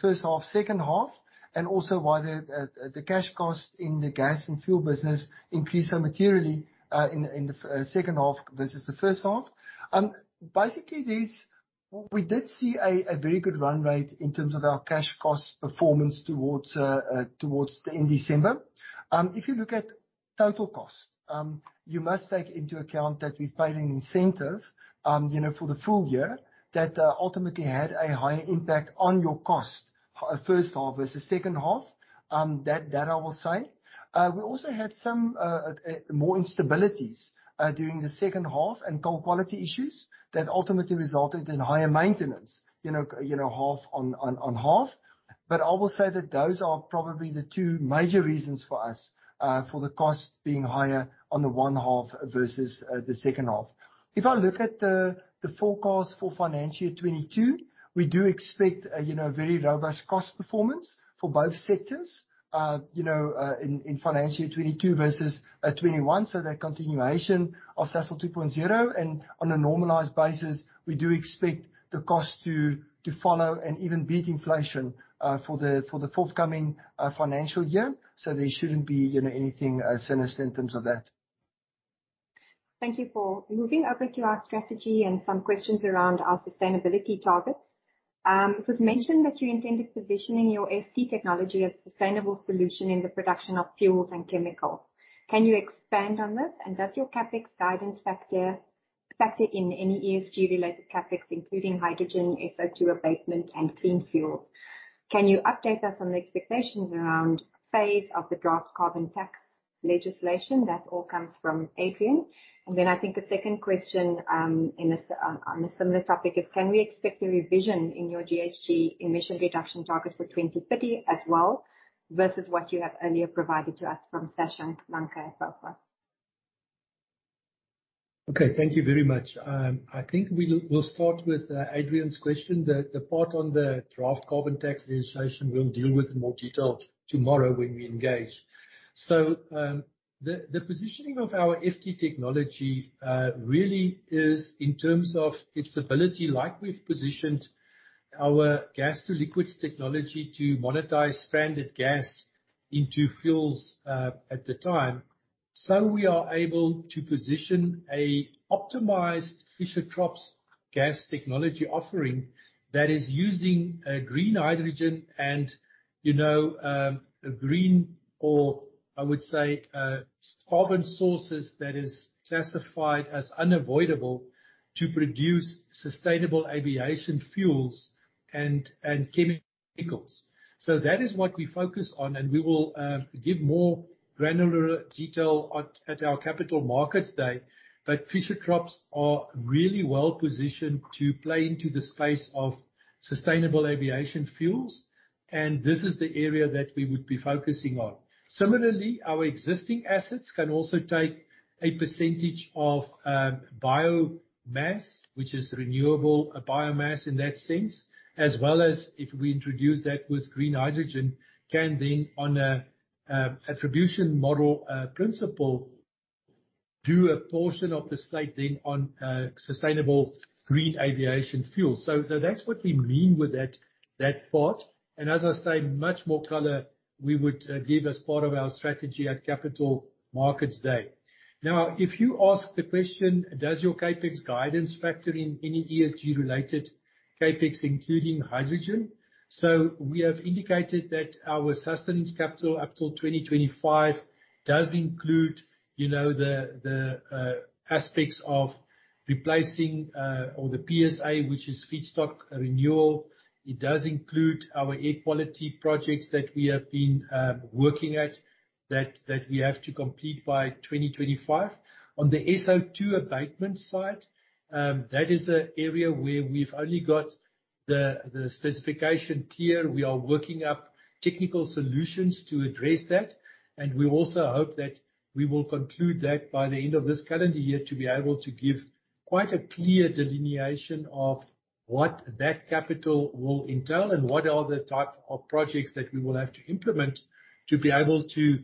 first half, second half, and also why the cash cost in the gas and fuel business increased so materially in the second half versus the first half. We did see a very good run rate in terms of our cash cost performance towards in December. If you look at total cost, you must take into account that we paid an incentive for the full year that ultimately had a higher impact on your cost first half versus second half. That I will say. We also had some more instabilities during the second half and coal quality issues that ultimately resulted in higher maintenance on half. I will say that those are probably the two major reasons for us for the cost being higher on the one half versus the second half. If I look at the forecast for financial year 2022, we do expect a very robust cost performance for both sectors in financial year 2022 versus 2021. That continuation of Sasol 2.0, and on a normalized basis, we do expect the cost to follow and even beat inflation for the forthcoming financial year. There shouldn't be anything sinister in terms of that. Thank you, Paul. Moving over to our strategy and some questions around our sustainability targets. It was mentioned that you intended positioning your FT technology as sustainable solution in the production of fuels and chemicals. Can you expand on this? Does your CapEx guidance factor in any ESG related CapEx, including hydrogen, SO2 abatement and clean fuel? Can you update us on the expectations around phase of the draft Carbon Tax legislation? That all comes from Adrian. Then I think a second question on a similar topic is, can we expect a revision in your GHG emission reduction target for 2050 as well, versus what you have earlier provided to us from Sashank Lanka, Sasol. Okay. Thank you very much. I think we'll start with Adrian's question. The part on the draft Carbon Tax legislation, we'll deal with in more detail tomorrow when we engage. The positioning of our FT technology really is in terms of its ability, like we've positioned our gas to liquids technology to monetize stranded gas into fuels at the time. We are able to position a optimized Fischer-Tropsch gas technology offering that is using green hydrogen and green or I would say carbon sources that is classified as unavoidable to produce sustainable aviation fuels and chemicals. That is what we focus on, and we will give more granular detail at our Capital Markets Day. Fischer-Tropsch are really well-positioned to play into the space of sustainable aviation fuels, and this is the area that we would be focusing on. Similarly, our existing assets can also take a percentage of biomass, which is renewable biomass in that sense, as well as if we introduce that with green hydrogen, can then on a attribution model principle Do a portion of the slate on sustainable aviation fuel. That's what we mean with that part. As I say, much more color we would give as part of our strategy at Capital Markets Day. If you ask the question, does your CapEx guidance factor in any ESG-related CapEx, including hydrogen? We have indicated that our sustenance capital up till 2025 does include the aspects of replacing or the PSA, which is feedstock renewal. It does include our air quality projects that we have been working at, that we have to complete by 2025. On the SO2 abatement side, that is the area where we've only got the specification clear. We are working up technical solutions to address that. We also hope that we will conclude that by the end of this calendar year, to be able to give quite a clear delineation of what that capital will entail and what are the type of projects that we will have to implement to be able to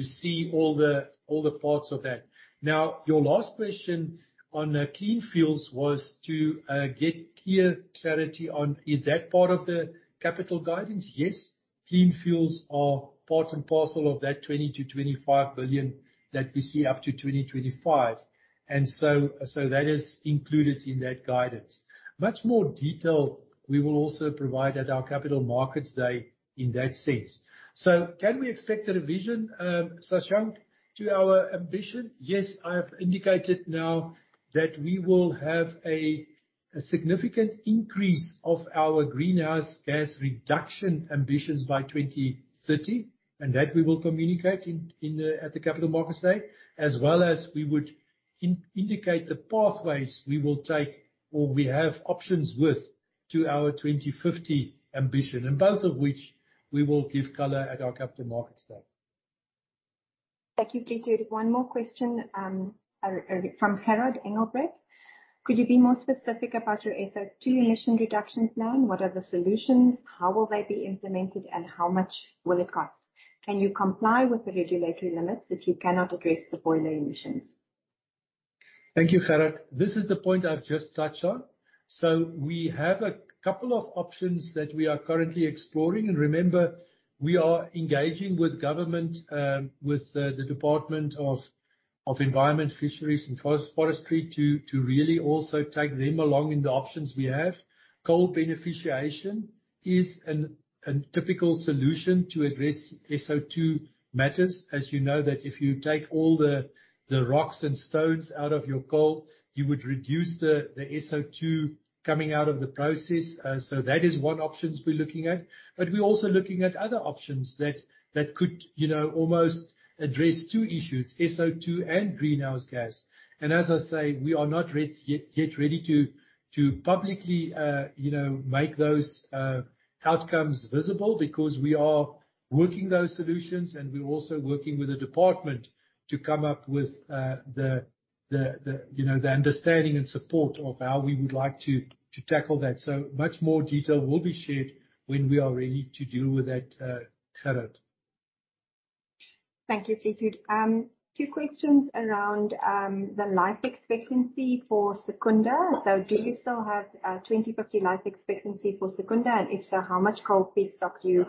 see all the parts of that. Your last question on clean fuels was to get clear clarity on, is that part of the capital guidance? Yes. Clean fuels are part and parcel of that 20 billion to 25 billion that we see up to 2025. That is included in that guidance. Much more detail we will also provide at our Capital Markets Day in that sense. Can we expect a revision, Sashank, to our ambition? Yes, I have indicated now that we will have a significant increase of our greenhouse gas reduction ambitions by 2030, that we will communicate at the Capital Markets Day, as well as we would indicate the pathways we will take or we have options with to our 2050 ambition, both of which we will give color at our Capital Markets Day. Thank you, Pieter. One more question from Gerhard Engelbrecht. Could you be more specific about your SO2 emission reductions plan? What are the solutions? How will they be implemented, how much will it cost? Can you comply with the regulatory limits if you cannot address the boiler emissions? Thank you, Gerhard. This is the point I've just touched on. We have a couple of options that we are currently exploring, and remember, we are engaging with government, with the Department of Forestry, Fisheries and the Environment, to really also take them along in the options we have. Coal beneficiation is a typical solution to address SO2 matters. As you know that if you take all the rocks and stones out of your coal, you would reduce the SO2 coming out of the process. That is one options we're looking at, but we're also looking at other options that could almost address two issues, SO2 and greenhouse gas. As I say, we are not yet ready to publicly make those outcomes visible because we are working those solutions and we're also working with the department to come up with the understanding and support of how we would like to tackle that. Much more detail will be shared when we are ready to deal with that, Gerhard. Thank you, Pieter. Two questions around the life expectancy for Secunda. Do you still have a 2050 life expectancy for Secunda? If so, how much coal feedstock do you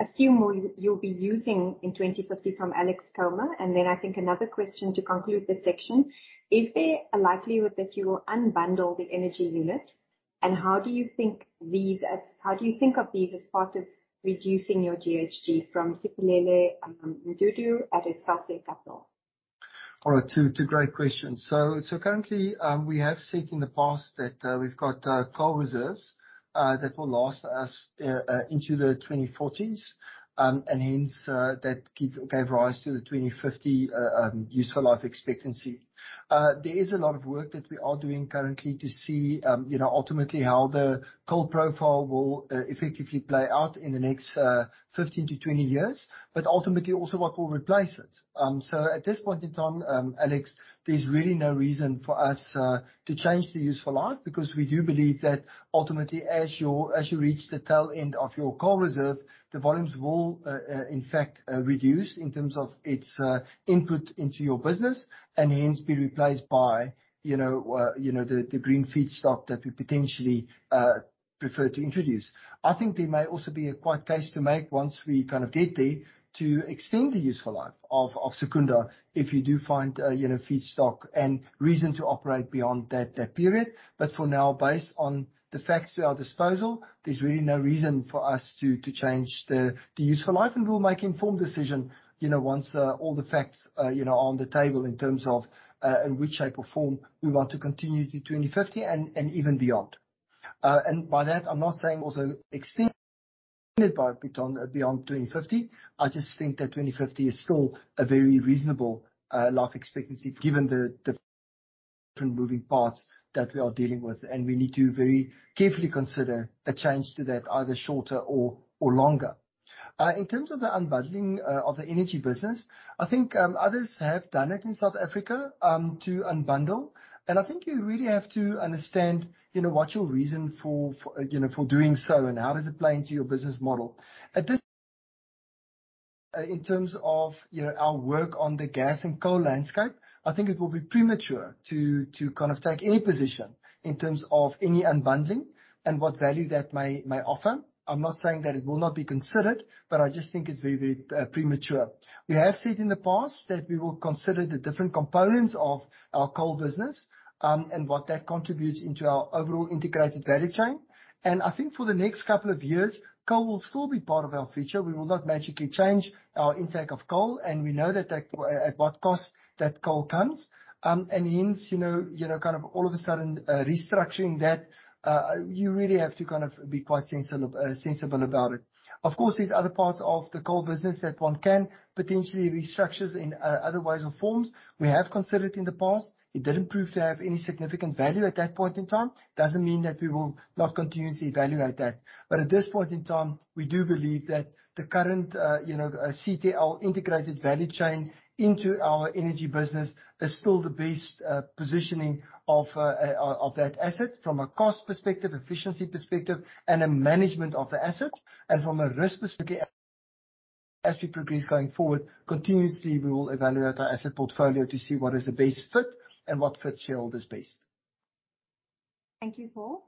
assume you'll be using in 2050 from Alex Comer? Then I think another question to conclude this section. Is there a likelihood that you will unbundle the energy unit? How do you think of these as part of reducing your GHG from Siphelele Mdudu at Sasol Capital? All right. Two great questions. Currently, we have said in the past that we've got coal reserves that will last us into the 2040s, and hence that gave rise to the 2050 useful life expectancy. There is a lot of work that we are doing currently to see ultimately how the coal profile will effectively play out in the next 15-20 years, but ultimately also what will replace it. At this point in time, Alex, there's really no reason for us to change the useful life, because we do believe that ultimately, as you reach the tail end of your coal reserve, the volumes will in fact reduce in terms of its input into your business and hence be replaced by the green feedstock that we potentially prefer to introduce. I think there may also be a quite case to make once we kind of get there to extend the useful life of Secunda if you do find a feedstock and reason to operate beyond that period. For now, based on the facts to our disposal, there's really no reason for us to change the useful life, and we'll make informed decision once all the facts are on the table in terms of in which shape or form we want to continue to 2050 and even beyond. By that, I'm not saying also extended beyond 2050. I just think that 2050 is still a very reasonable life expectancy given the different moving parts that we are dealing with, and we need to very carefully consider a change to that, either shorter or longer. In terms of the unbundling of the energy business, I think others have done it in South Africa, to unbundle. I think you really have to understand what's your reason for doing so and how does it play into your business model. In terms of our work on the gas and coal landscape, I think it will be premature to take any position in terms of any unbundling and what value that may offer. I'm not saying that it will not be considered, but I just think it's very premature. We have said in the past that we will consider the different components of our coal business, and what that contributes into our overall integrated value chain. I think for the next couple of years, coal will still be part of our future. We will not magically change our intake of coal, we know at what cost that coal comes. Hence, all of a sudden restructuring that, you really have to be quite sensible about it. Of course, there's other parts of the coal business that one can potentially restructure in other ways or forms. We have considered in the past. It didn't prove to have any significant value at that point in time, doesn't mean that we will not continuously evaluate that. At this point in time, we do believe that the current CTL integrated value chain into our energy business is still the best positioning of that asset from a cost perspective, efficiency perspective, and a management of the asset, and from a risk perspective. As we progress going forward, continuously, we will evaluate our asset portfolio to see what is the best fit and what fits shareholders best. Thank you, Paul.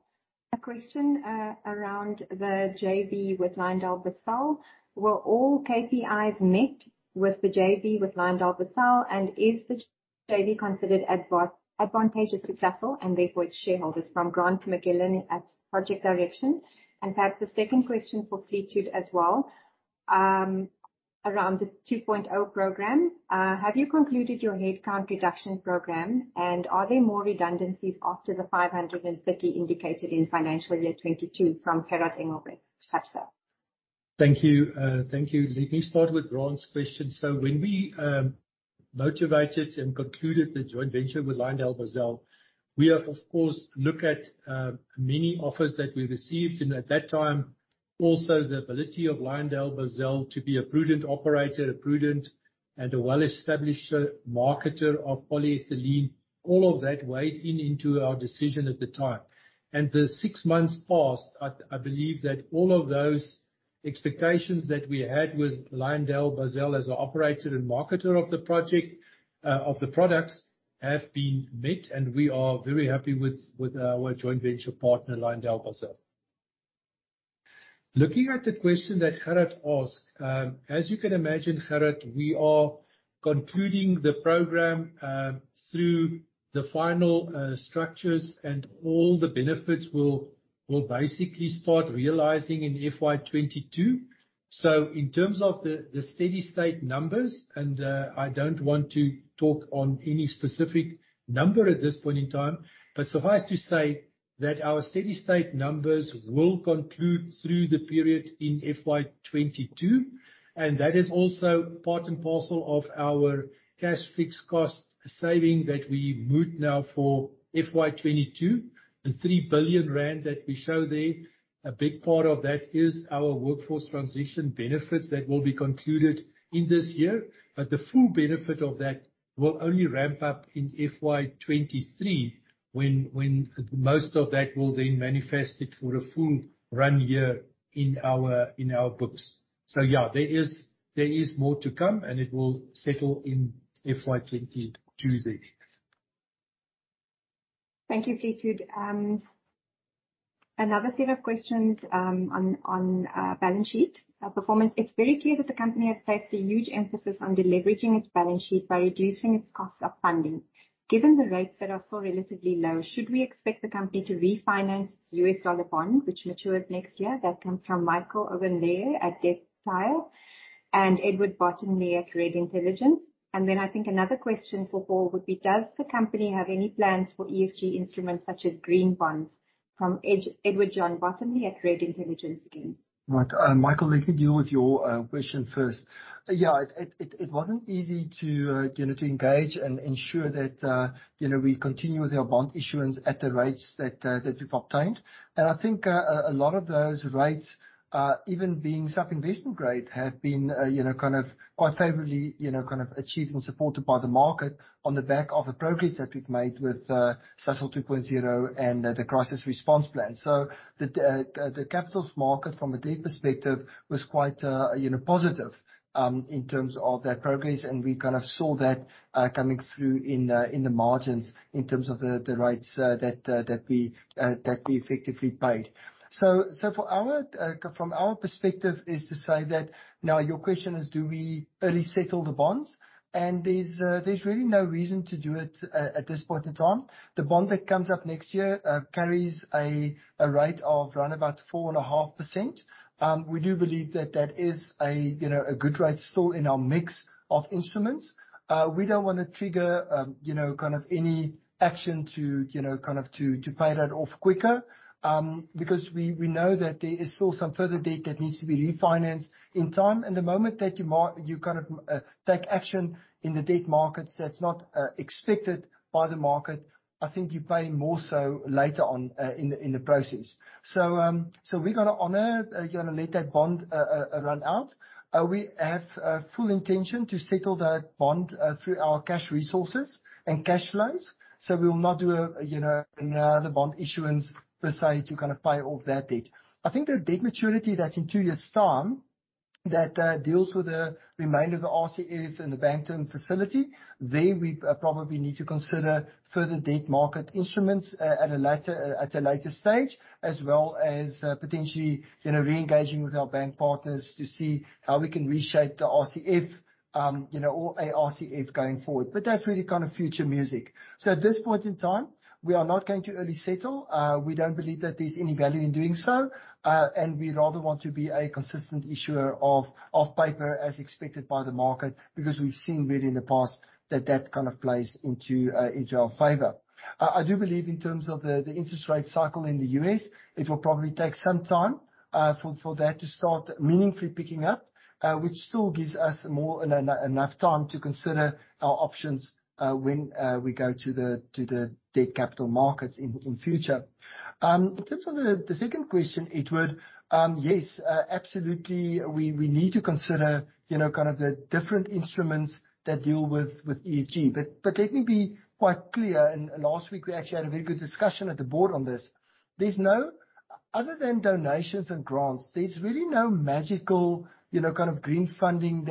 A question around the JV with LyondellBasell. Were all KPIs met with the JV with LyondellBasell, and is the JV considered advantageous to Sasol and therefore its shareholders? From Grant McGillivray at Project Director. Perhaps the second question for Fleetwood as well, around the Sasol 2.0 program. Have you concluded your headcount reduction program, and are there more redundancies after the 530 indicated in FY 2022 from Gerhard Engelbrecht? Perhaps, sir. Thank you. Let me start with Grant's question. When we motivated and concluded the joint venture with LyondellBasell, we of course looked at many offers that we received, and at that time, also the ability of LyondellBasell to be a prudent operator, a prudent and a well-established marketer of polyethylene. All of that weighed in into our decision at the time. The six months passed, I believe that all of those expectations that we had with LyondellBasell as an operator and marketer of the products have been met, and we are very happy with our joint venture partner, LyondellBasell. Looking at the question that Gerhard asked, as you can imagine, Gerhard, we are concluding the program through the final structures, and all the benefits will basically start realizing in FY 2022. In terms of the steady state numbers, and I don't want to talk on any specific number at this point in time, but suffice to say that our steady state numbers will conclude through the period in FY 2022, and that is also part and parcel of our cash fixed cost saving that we moot now for FY 2022. The 3 billion rand that we show there, a big part of that is our workforce transition benefits that will be concluded in this year, but the full benefit of that will only ramp up in FY 2023 when most of that will then manifested for a full run year in our books. Yeah, there is more to come, and it will settle in FY 2022 there. Thank you, Fleetwood. Another set of questions on balance sheet performance. It's very clear that the company has placed a huge emphasis on deleveraging its balance sheet by reducing its cost of funding. Given the rates that are still relatively low, should we expect the company to refinance its U.S. dollar bond, which matures next year? That comes from Michael Overmeyer at DebtStire and Edward Bottomley at REDD Intelligence. I think another question for Paul would be, does the company have any plans for ESG instruments such as green bonds? From Edward John Bottomley at REDD Intelligence again. Michael, let me deal with your question first. It wasn't easy to engage and ensure that we continue with our bond issuance at the rates that we've obtained. I think a lot of those rates, even being sub-investment grade, have been quite favorably achieved and supported by the market on the back of the progress that we've made with Sasol 2.0 and the crisis response plan. The capitals market from a debt perspective was quite positive, in terms of that progress, and we saw that coming through in the margins in terms of the rates that we effectively paid. From our perspective is to say that, now your question is do we early settle the bonds? There's really no reason to do it at this point in time. The bond that comes up next year carries a rate of around about 4.5%. We do believe that that is a good rate still in our mix of instruments. We don't want to trigger any action to pay that off quicker, because we know that there is still some further debt that needs to be refinanced in time. The moment that you take action in the debt markets that's not expected by the market, I think you pay more so later on in the process. We're going to honor, we're going to let that bond run out. We have full intention to settle that bond through our cash resources and cash flows. We will not do another bond issuance per se to pay off that debt. I think the debt maturity that's in 2 years' time deals with the remainder of the RCF and the banking facility. There, we probably need to consider further debt market instruments at a later stage, as well as potentially re-engaging with our bank partners to see how we can reshape the RCF or a RCF going forward. That's really future music. At this point in time, we are not going to early settle. We don't believe that there's any value in doing so. We rather want to be a consistent issuer of paper as expected by the market, because we've seen really in the past that that kind of plays into our favor. I do believe in terms of the interest rate cycle in the U.S., it will probably take some time for that to start meaningfully picking up, which still gives us more enough time to consider our options when we go to the debt capital markets in future. In terms of the second question, Edward. Yes, absolutely, we need to consider the different instruments that deal with ESG. Let me be quite clear, and last week we actually had a very good discussion at the board on this. Other than donations and grants, there's really no magical green funding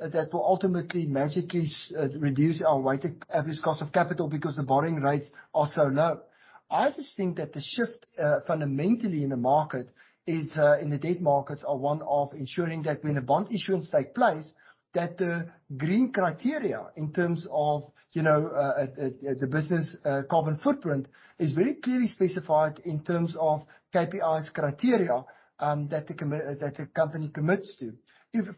that will ultimately magically reduce our weighted average cost of capital because the borrowing rates are so low. I just think that the shift fundamentally in the market, in the debt markets, are one of ensuring that when the bond issuance takes place, that the green criteria in terms of the business carbon footprint is very clearly specified in terms of KPIs criteria that a company commits to.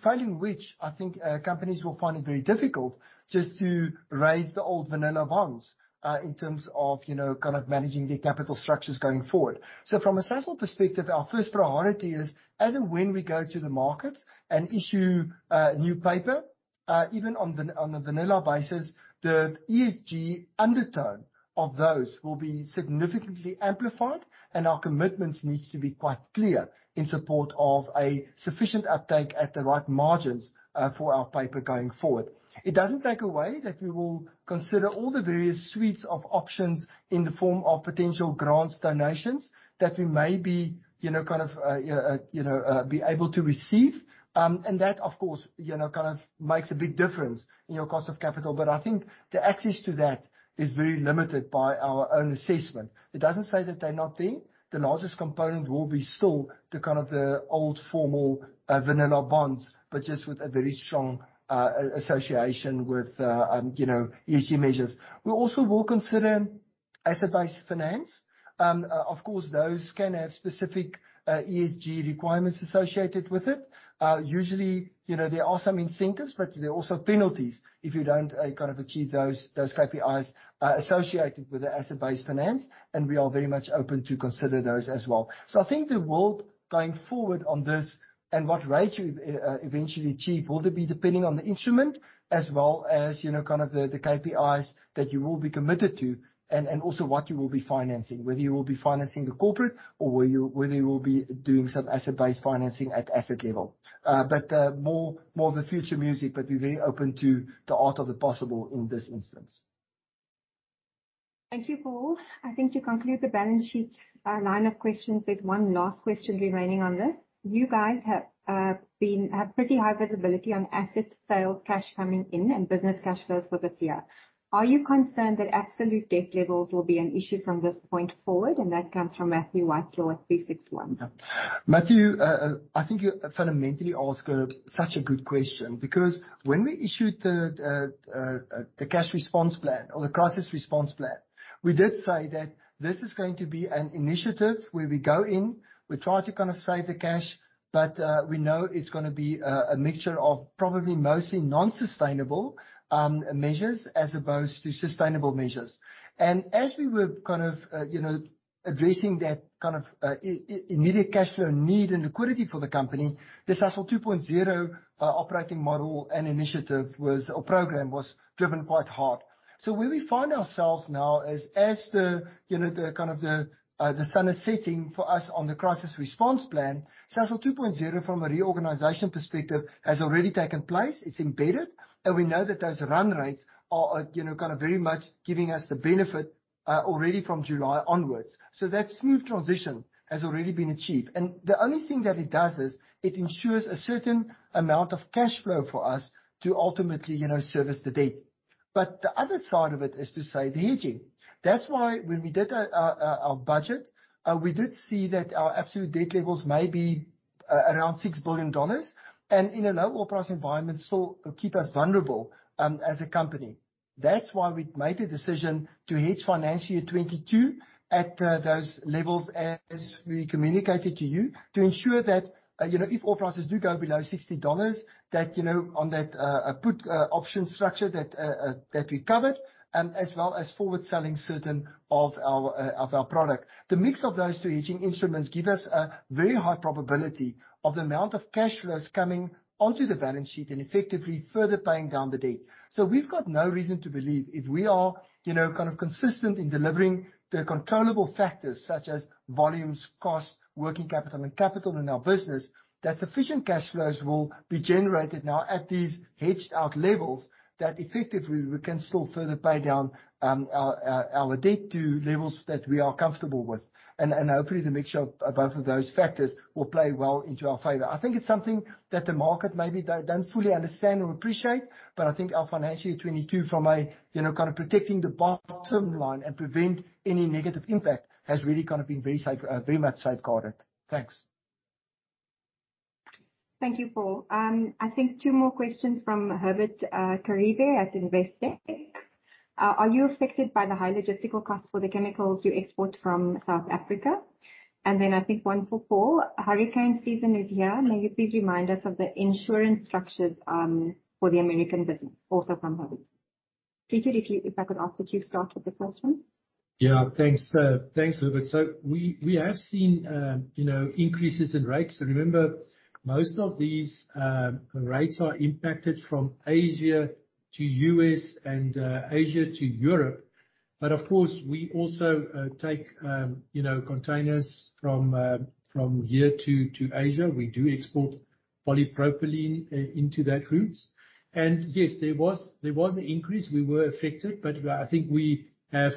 Failing which, I think companies will find it very difficult just to raise the old vanilla bonds in terms of managing their capital structures going forward. From a Sasol perspective, our first priority is, as and when we go to the markets and issue new paper, even on a vanilla basis, the ESG undertone of those will be significantly amplified, and our commitments need to be quite clear in support of a sufficient uptake at the right margins for our paper going forward. It doesn't take away that we will consider all the various suites of options in the form of potential grants, donations that we may be able to receive. That, of course, makes a big difference in your cost of capital. I think the access to that is very limited by our own assessment. It doesn't say that they're not there. The largest component will be still the old formal vanilla bonds, but just with a very strong association with ESG measures. We also will consider asset-based finance. Of course, those can have specific ESG requirements associated with it. Usually, there are some incentives, but there are also penalties if you don't achieve those KPIs associated with the asset-based finance, and we are very much open to consider those as well. I think the world going forward on this and what rates you eventually achieve, will be depending on the instrument as well as the KPIs that you will be committed to and also what you will be financing, whether you will be financing the corporate or whether you will be doing some asset-based financing at asset level. More of the future music, but we're very open to the art of the possible in this instance. Thank you, Paul. I think to conclude the balance sheet line of questions, there's one last question remaining on this. You guys have pretty high visibility on asset sales, cash coming in, and business cash flows for this year. Are you concerned that absolute debt levels will be an issue from this point forward? That comes from Matthew White at 361. Matthew, I think you fundamentally ask such a good question because when we issued the cash response plan or the crisis response plan, we did say that this is going to be an initiative where we go in, we try to save the cash, but we know it's going to be a mixture of probably mostly non-sustainable measures as opposed to sustainable measures. As we were addressing that immediate cash flow need and liquidity for the company, the Sasol 2.0 operating model and initiative program was driven quite hard. Where we find ourselves now is as the sun is setting for us on the crisis response plan, Sasol 2.0 from a reorganization perspective, has already taken place. It's embedded, and we know that those run rates are very much giving us the benefit already from July onwards. That smooth transition has already been achieved. The only thing that it does is it ensures a certain amount of cash flow for us to ultimately service the debt. The other side of it is to say the hedging. That's why when we did our budget, we did see that our absolute debt levels may be around ZAR 6 billion and in a low oil price environment, still keep us vulnerable as a company. That's why we made a decision to hedge FY 2022 at those levels as we communicated to you, to ensure that if oil prices do go below ZAR 60, that on that put option structure that we covered, as well as forward selling certain of our product. The mix of those two hedging instruments give us a very high probability of the amount of cash flows coming onto the balance sheet and effectively further paying down the debt. We've got no reason to believe if we are consistent in delivering the controllable factors such as volumes, costs, working capital, and capital in our business, that sufficient cash flows will be generated now at these hedged out levels, that effectively we can still further pay down our debt to levels that we are comfortable with. Hopefully, the mixture of both of those factors will play well into our favor. I think it's something that the market maybe don't fully understand or appreciate, but I think our FY 2022 from a protecting the bottom line and prevent any negative impact has really been very much safeguarded. Thanks. Thank you, Paul. I think two more questions from Herbert Kharivhe at Investec. Are you affected by the high logistical cost for the chemicals you export from South Africa? I think one for Paul. Hurricane season is here. May you please remind us of the insurance structures for the U.S. business? Also from Herbert. Pieter, if I could ask that you start with the first one. Thanks, Herbert. We have seen increases in rates. Remember, most of these rates are impacted from Asia to U.S. and Asia to Europe. Of course, we also take containers from here to Asia. We do export polypropylene into that route. Yes, there was an increase. We were affected, but I think we have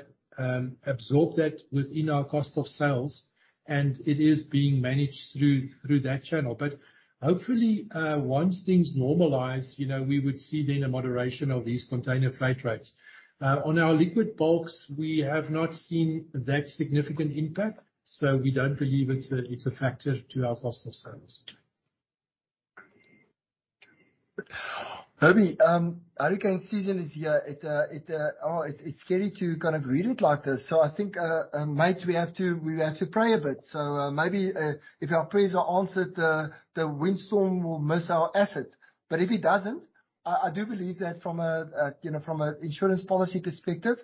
absorbed that within our cost of sales, and it is being managed through that channel. Hopefully, once things normalize, we would see then a moderation of these container freight rates. On our liquid bulks, we have not seen that significant impact, so we don't believe it's a factor to our cost of sales. Herbie, hurricane season is here. It's scary to read it like this. I think, mate, we have to pray a bit. Maybe if our prayers are answered, the Atlantic windstorm will miss our assets. If it doesn't, I do believe that from an insurance policy perspective,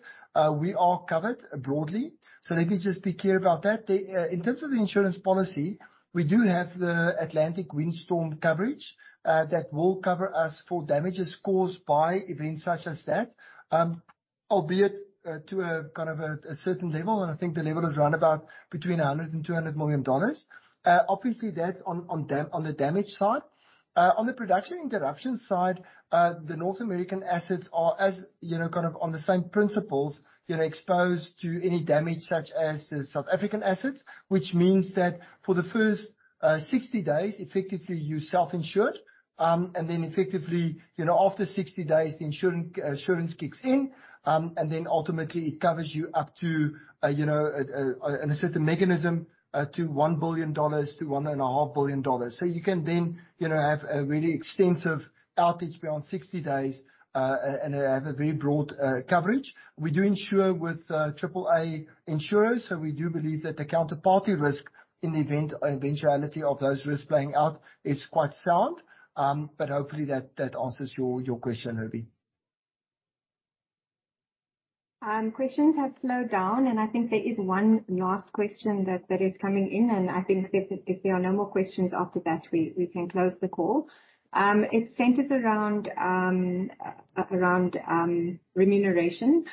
we are covered broadly. Let me just be clear about that. In terms of the insurance policy, we do have the Atlantic windstorm coverage, that will cover us for damages caused by events such as that, albeit to a certain level, and I think the level is around about between 100 million and ZAR 200 million. Obviously, that's on the damage side. On the production interruption side, the North American assets are as on the same principles, exposed to any damage such as the South African assets, which means that for the first 60 days, effectively, you're self-insured. Effectively, after 60 days, the insurance kicks in. Ultimately, it covers you up to a certain mechanism, to ZAR 1 billion-ZAR 1.5 billion. You can then have a really extensive outage beyond 60 days, and have a very broad coverage. We do insure with AAA insurers, we do believe that the counterparty risk in the eventuality of those risks playing out is quite sound. Hopefully that answers your question, Herbie. Questions have slowed down, and I think there is one last question that is coming in, and I think if there are no more questions after that, we can close the call. It centers around remuneration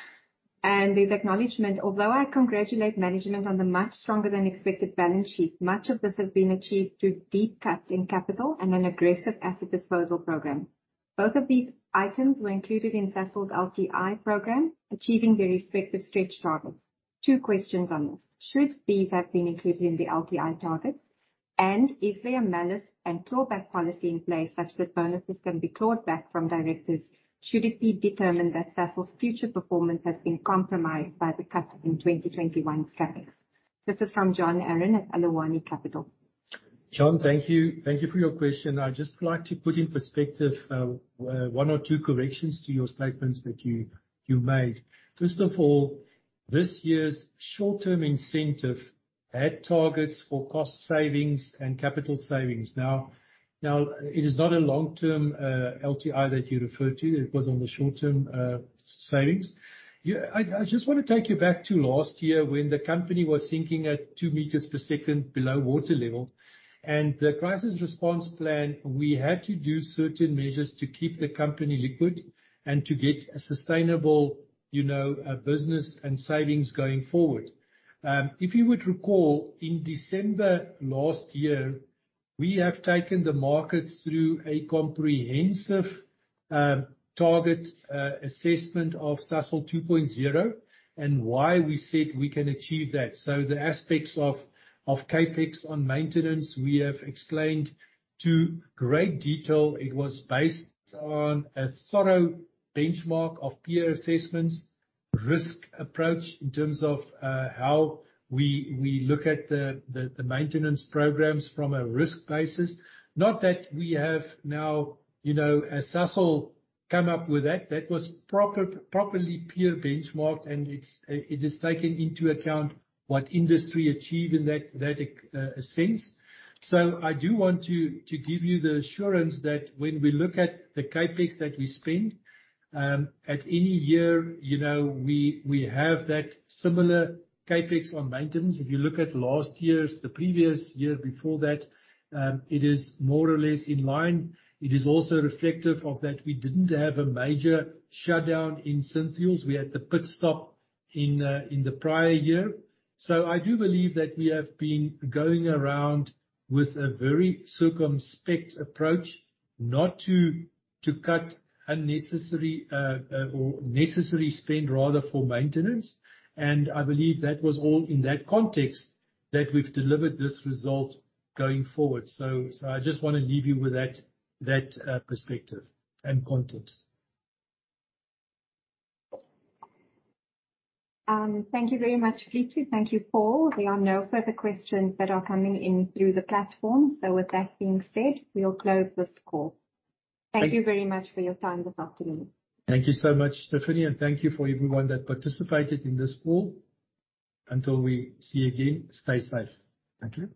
and there's acknowledgment, "Although I congratulate management on the much stronger than expected balance sheet, much of this has been achieved through deep cuts in capital and an aggressive asset disposal program. Both of these items were included in Sasol's LTI program, achieving their respective stretch targets." Two questions on this. Should these have been included in the LTI targets? Is there a malice and clawback policy in place such that bonuses can be clawed back from directors should it be determined that Sasol's future performance has been compromised by the cut in 2021 CapEx? This is from John Aron at Aluwani Capital. John, thank you. Thank you for your question. I'd just like to put in perspective one or two corrections to your statements that you made. First of all, this year's short-term incentive had targets for cost savings and capital savings. It is not a long-term LTI that you refer to. It was on the short-term savings. I just want to take you back to last year when the company was sinking at two meters per second below water level, and the crisis response plan, we had to do certain measures to keep the company liquid and to get a sustainable business and savings going forward. If you would recall, in December last year, we have taken the markets through a comprehensive target assessment of Sasol 2.0 and why we said we can achieve that. The aspects of CapEx on maintenance, we have explained to great detail. It was based on a thorough benchmark of peer assessments, risk approach in terms of how we look at the maintenance programs from a risk basis. Not that we have now, as Sasol, come up with that. That was properly peer benchmarked, and it has taken into account what industry achieved in that sense. I do want to give you the assurance that when we look at the CapEx that we spend at any year, we have that similar CapEx on maintenance. If you look at last year's, the previous year before that, it is more or less in line. It is also reflective of that we didn't have a major shutdown in Synfuels. We had the pit stop in the prior year. I do believe that we have been going around with a very circumspect approach, not to cut unnecessary or necessary spend rather for maintenance. I believe that was all in that context that we've delivered this result going forward. I just want to leave you with that perspective and context. Thank you very much, Pieter. Thank you, Paul. There are no further questions that are coming in through the platform. With that being said, we'll close this call. Thank you very much for your time this afternoon. Thank you so much, Stephanie. Thank you for everyone that participated in this call. Until we see you again, stay safe. Thank you.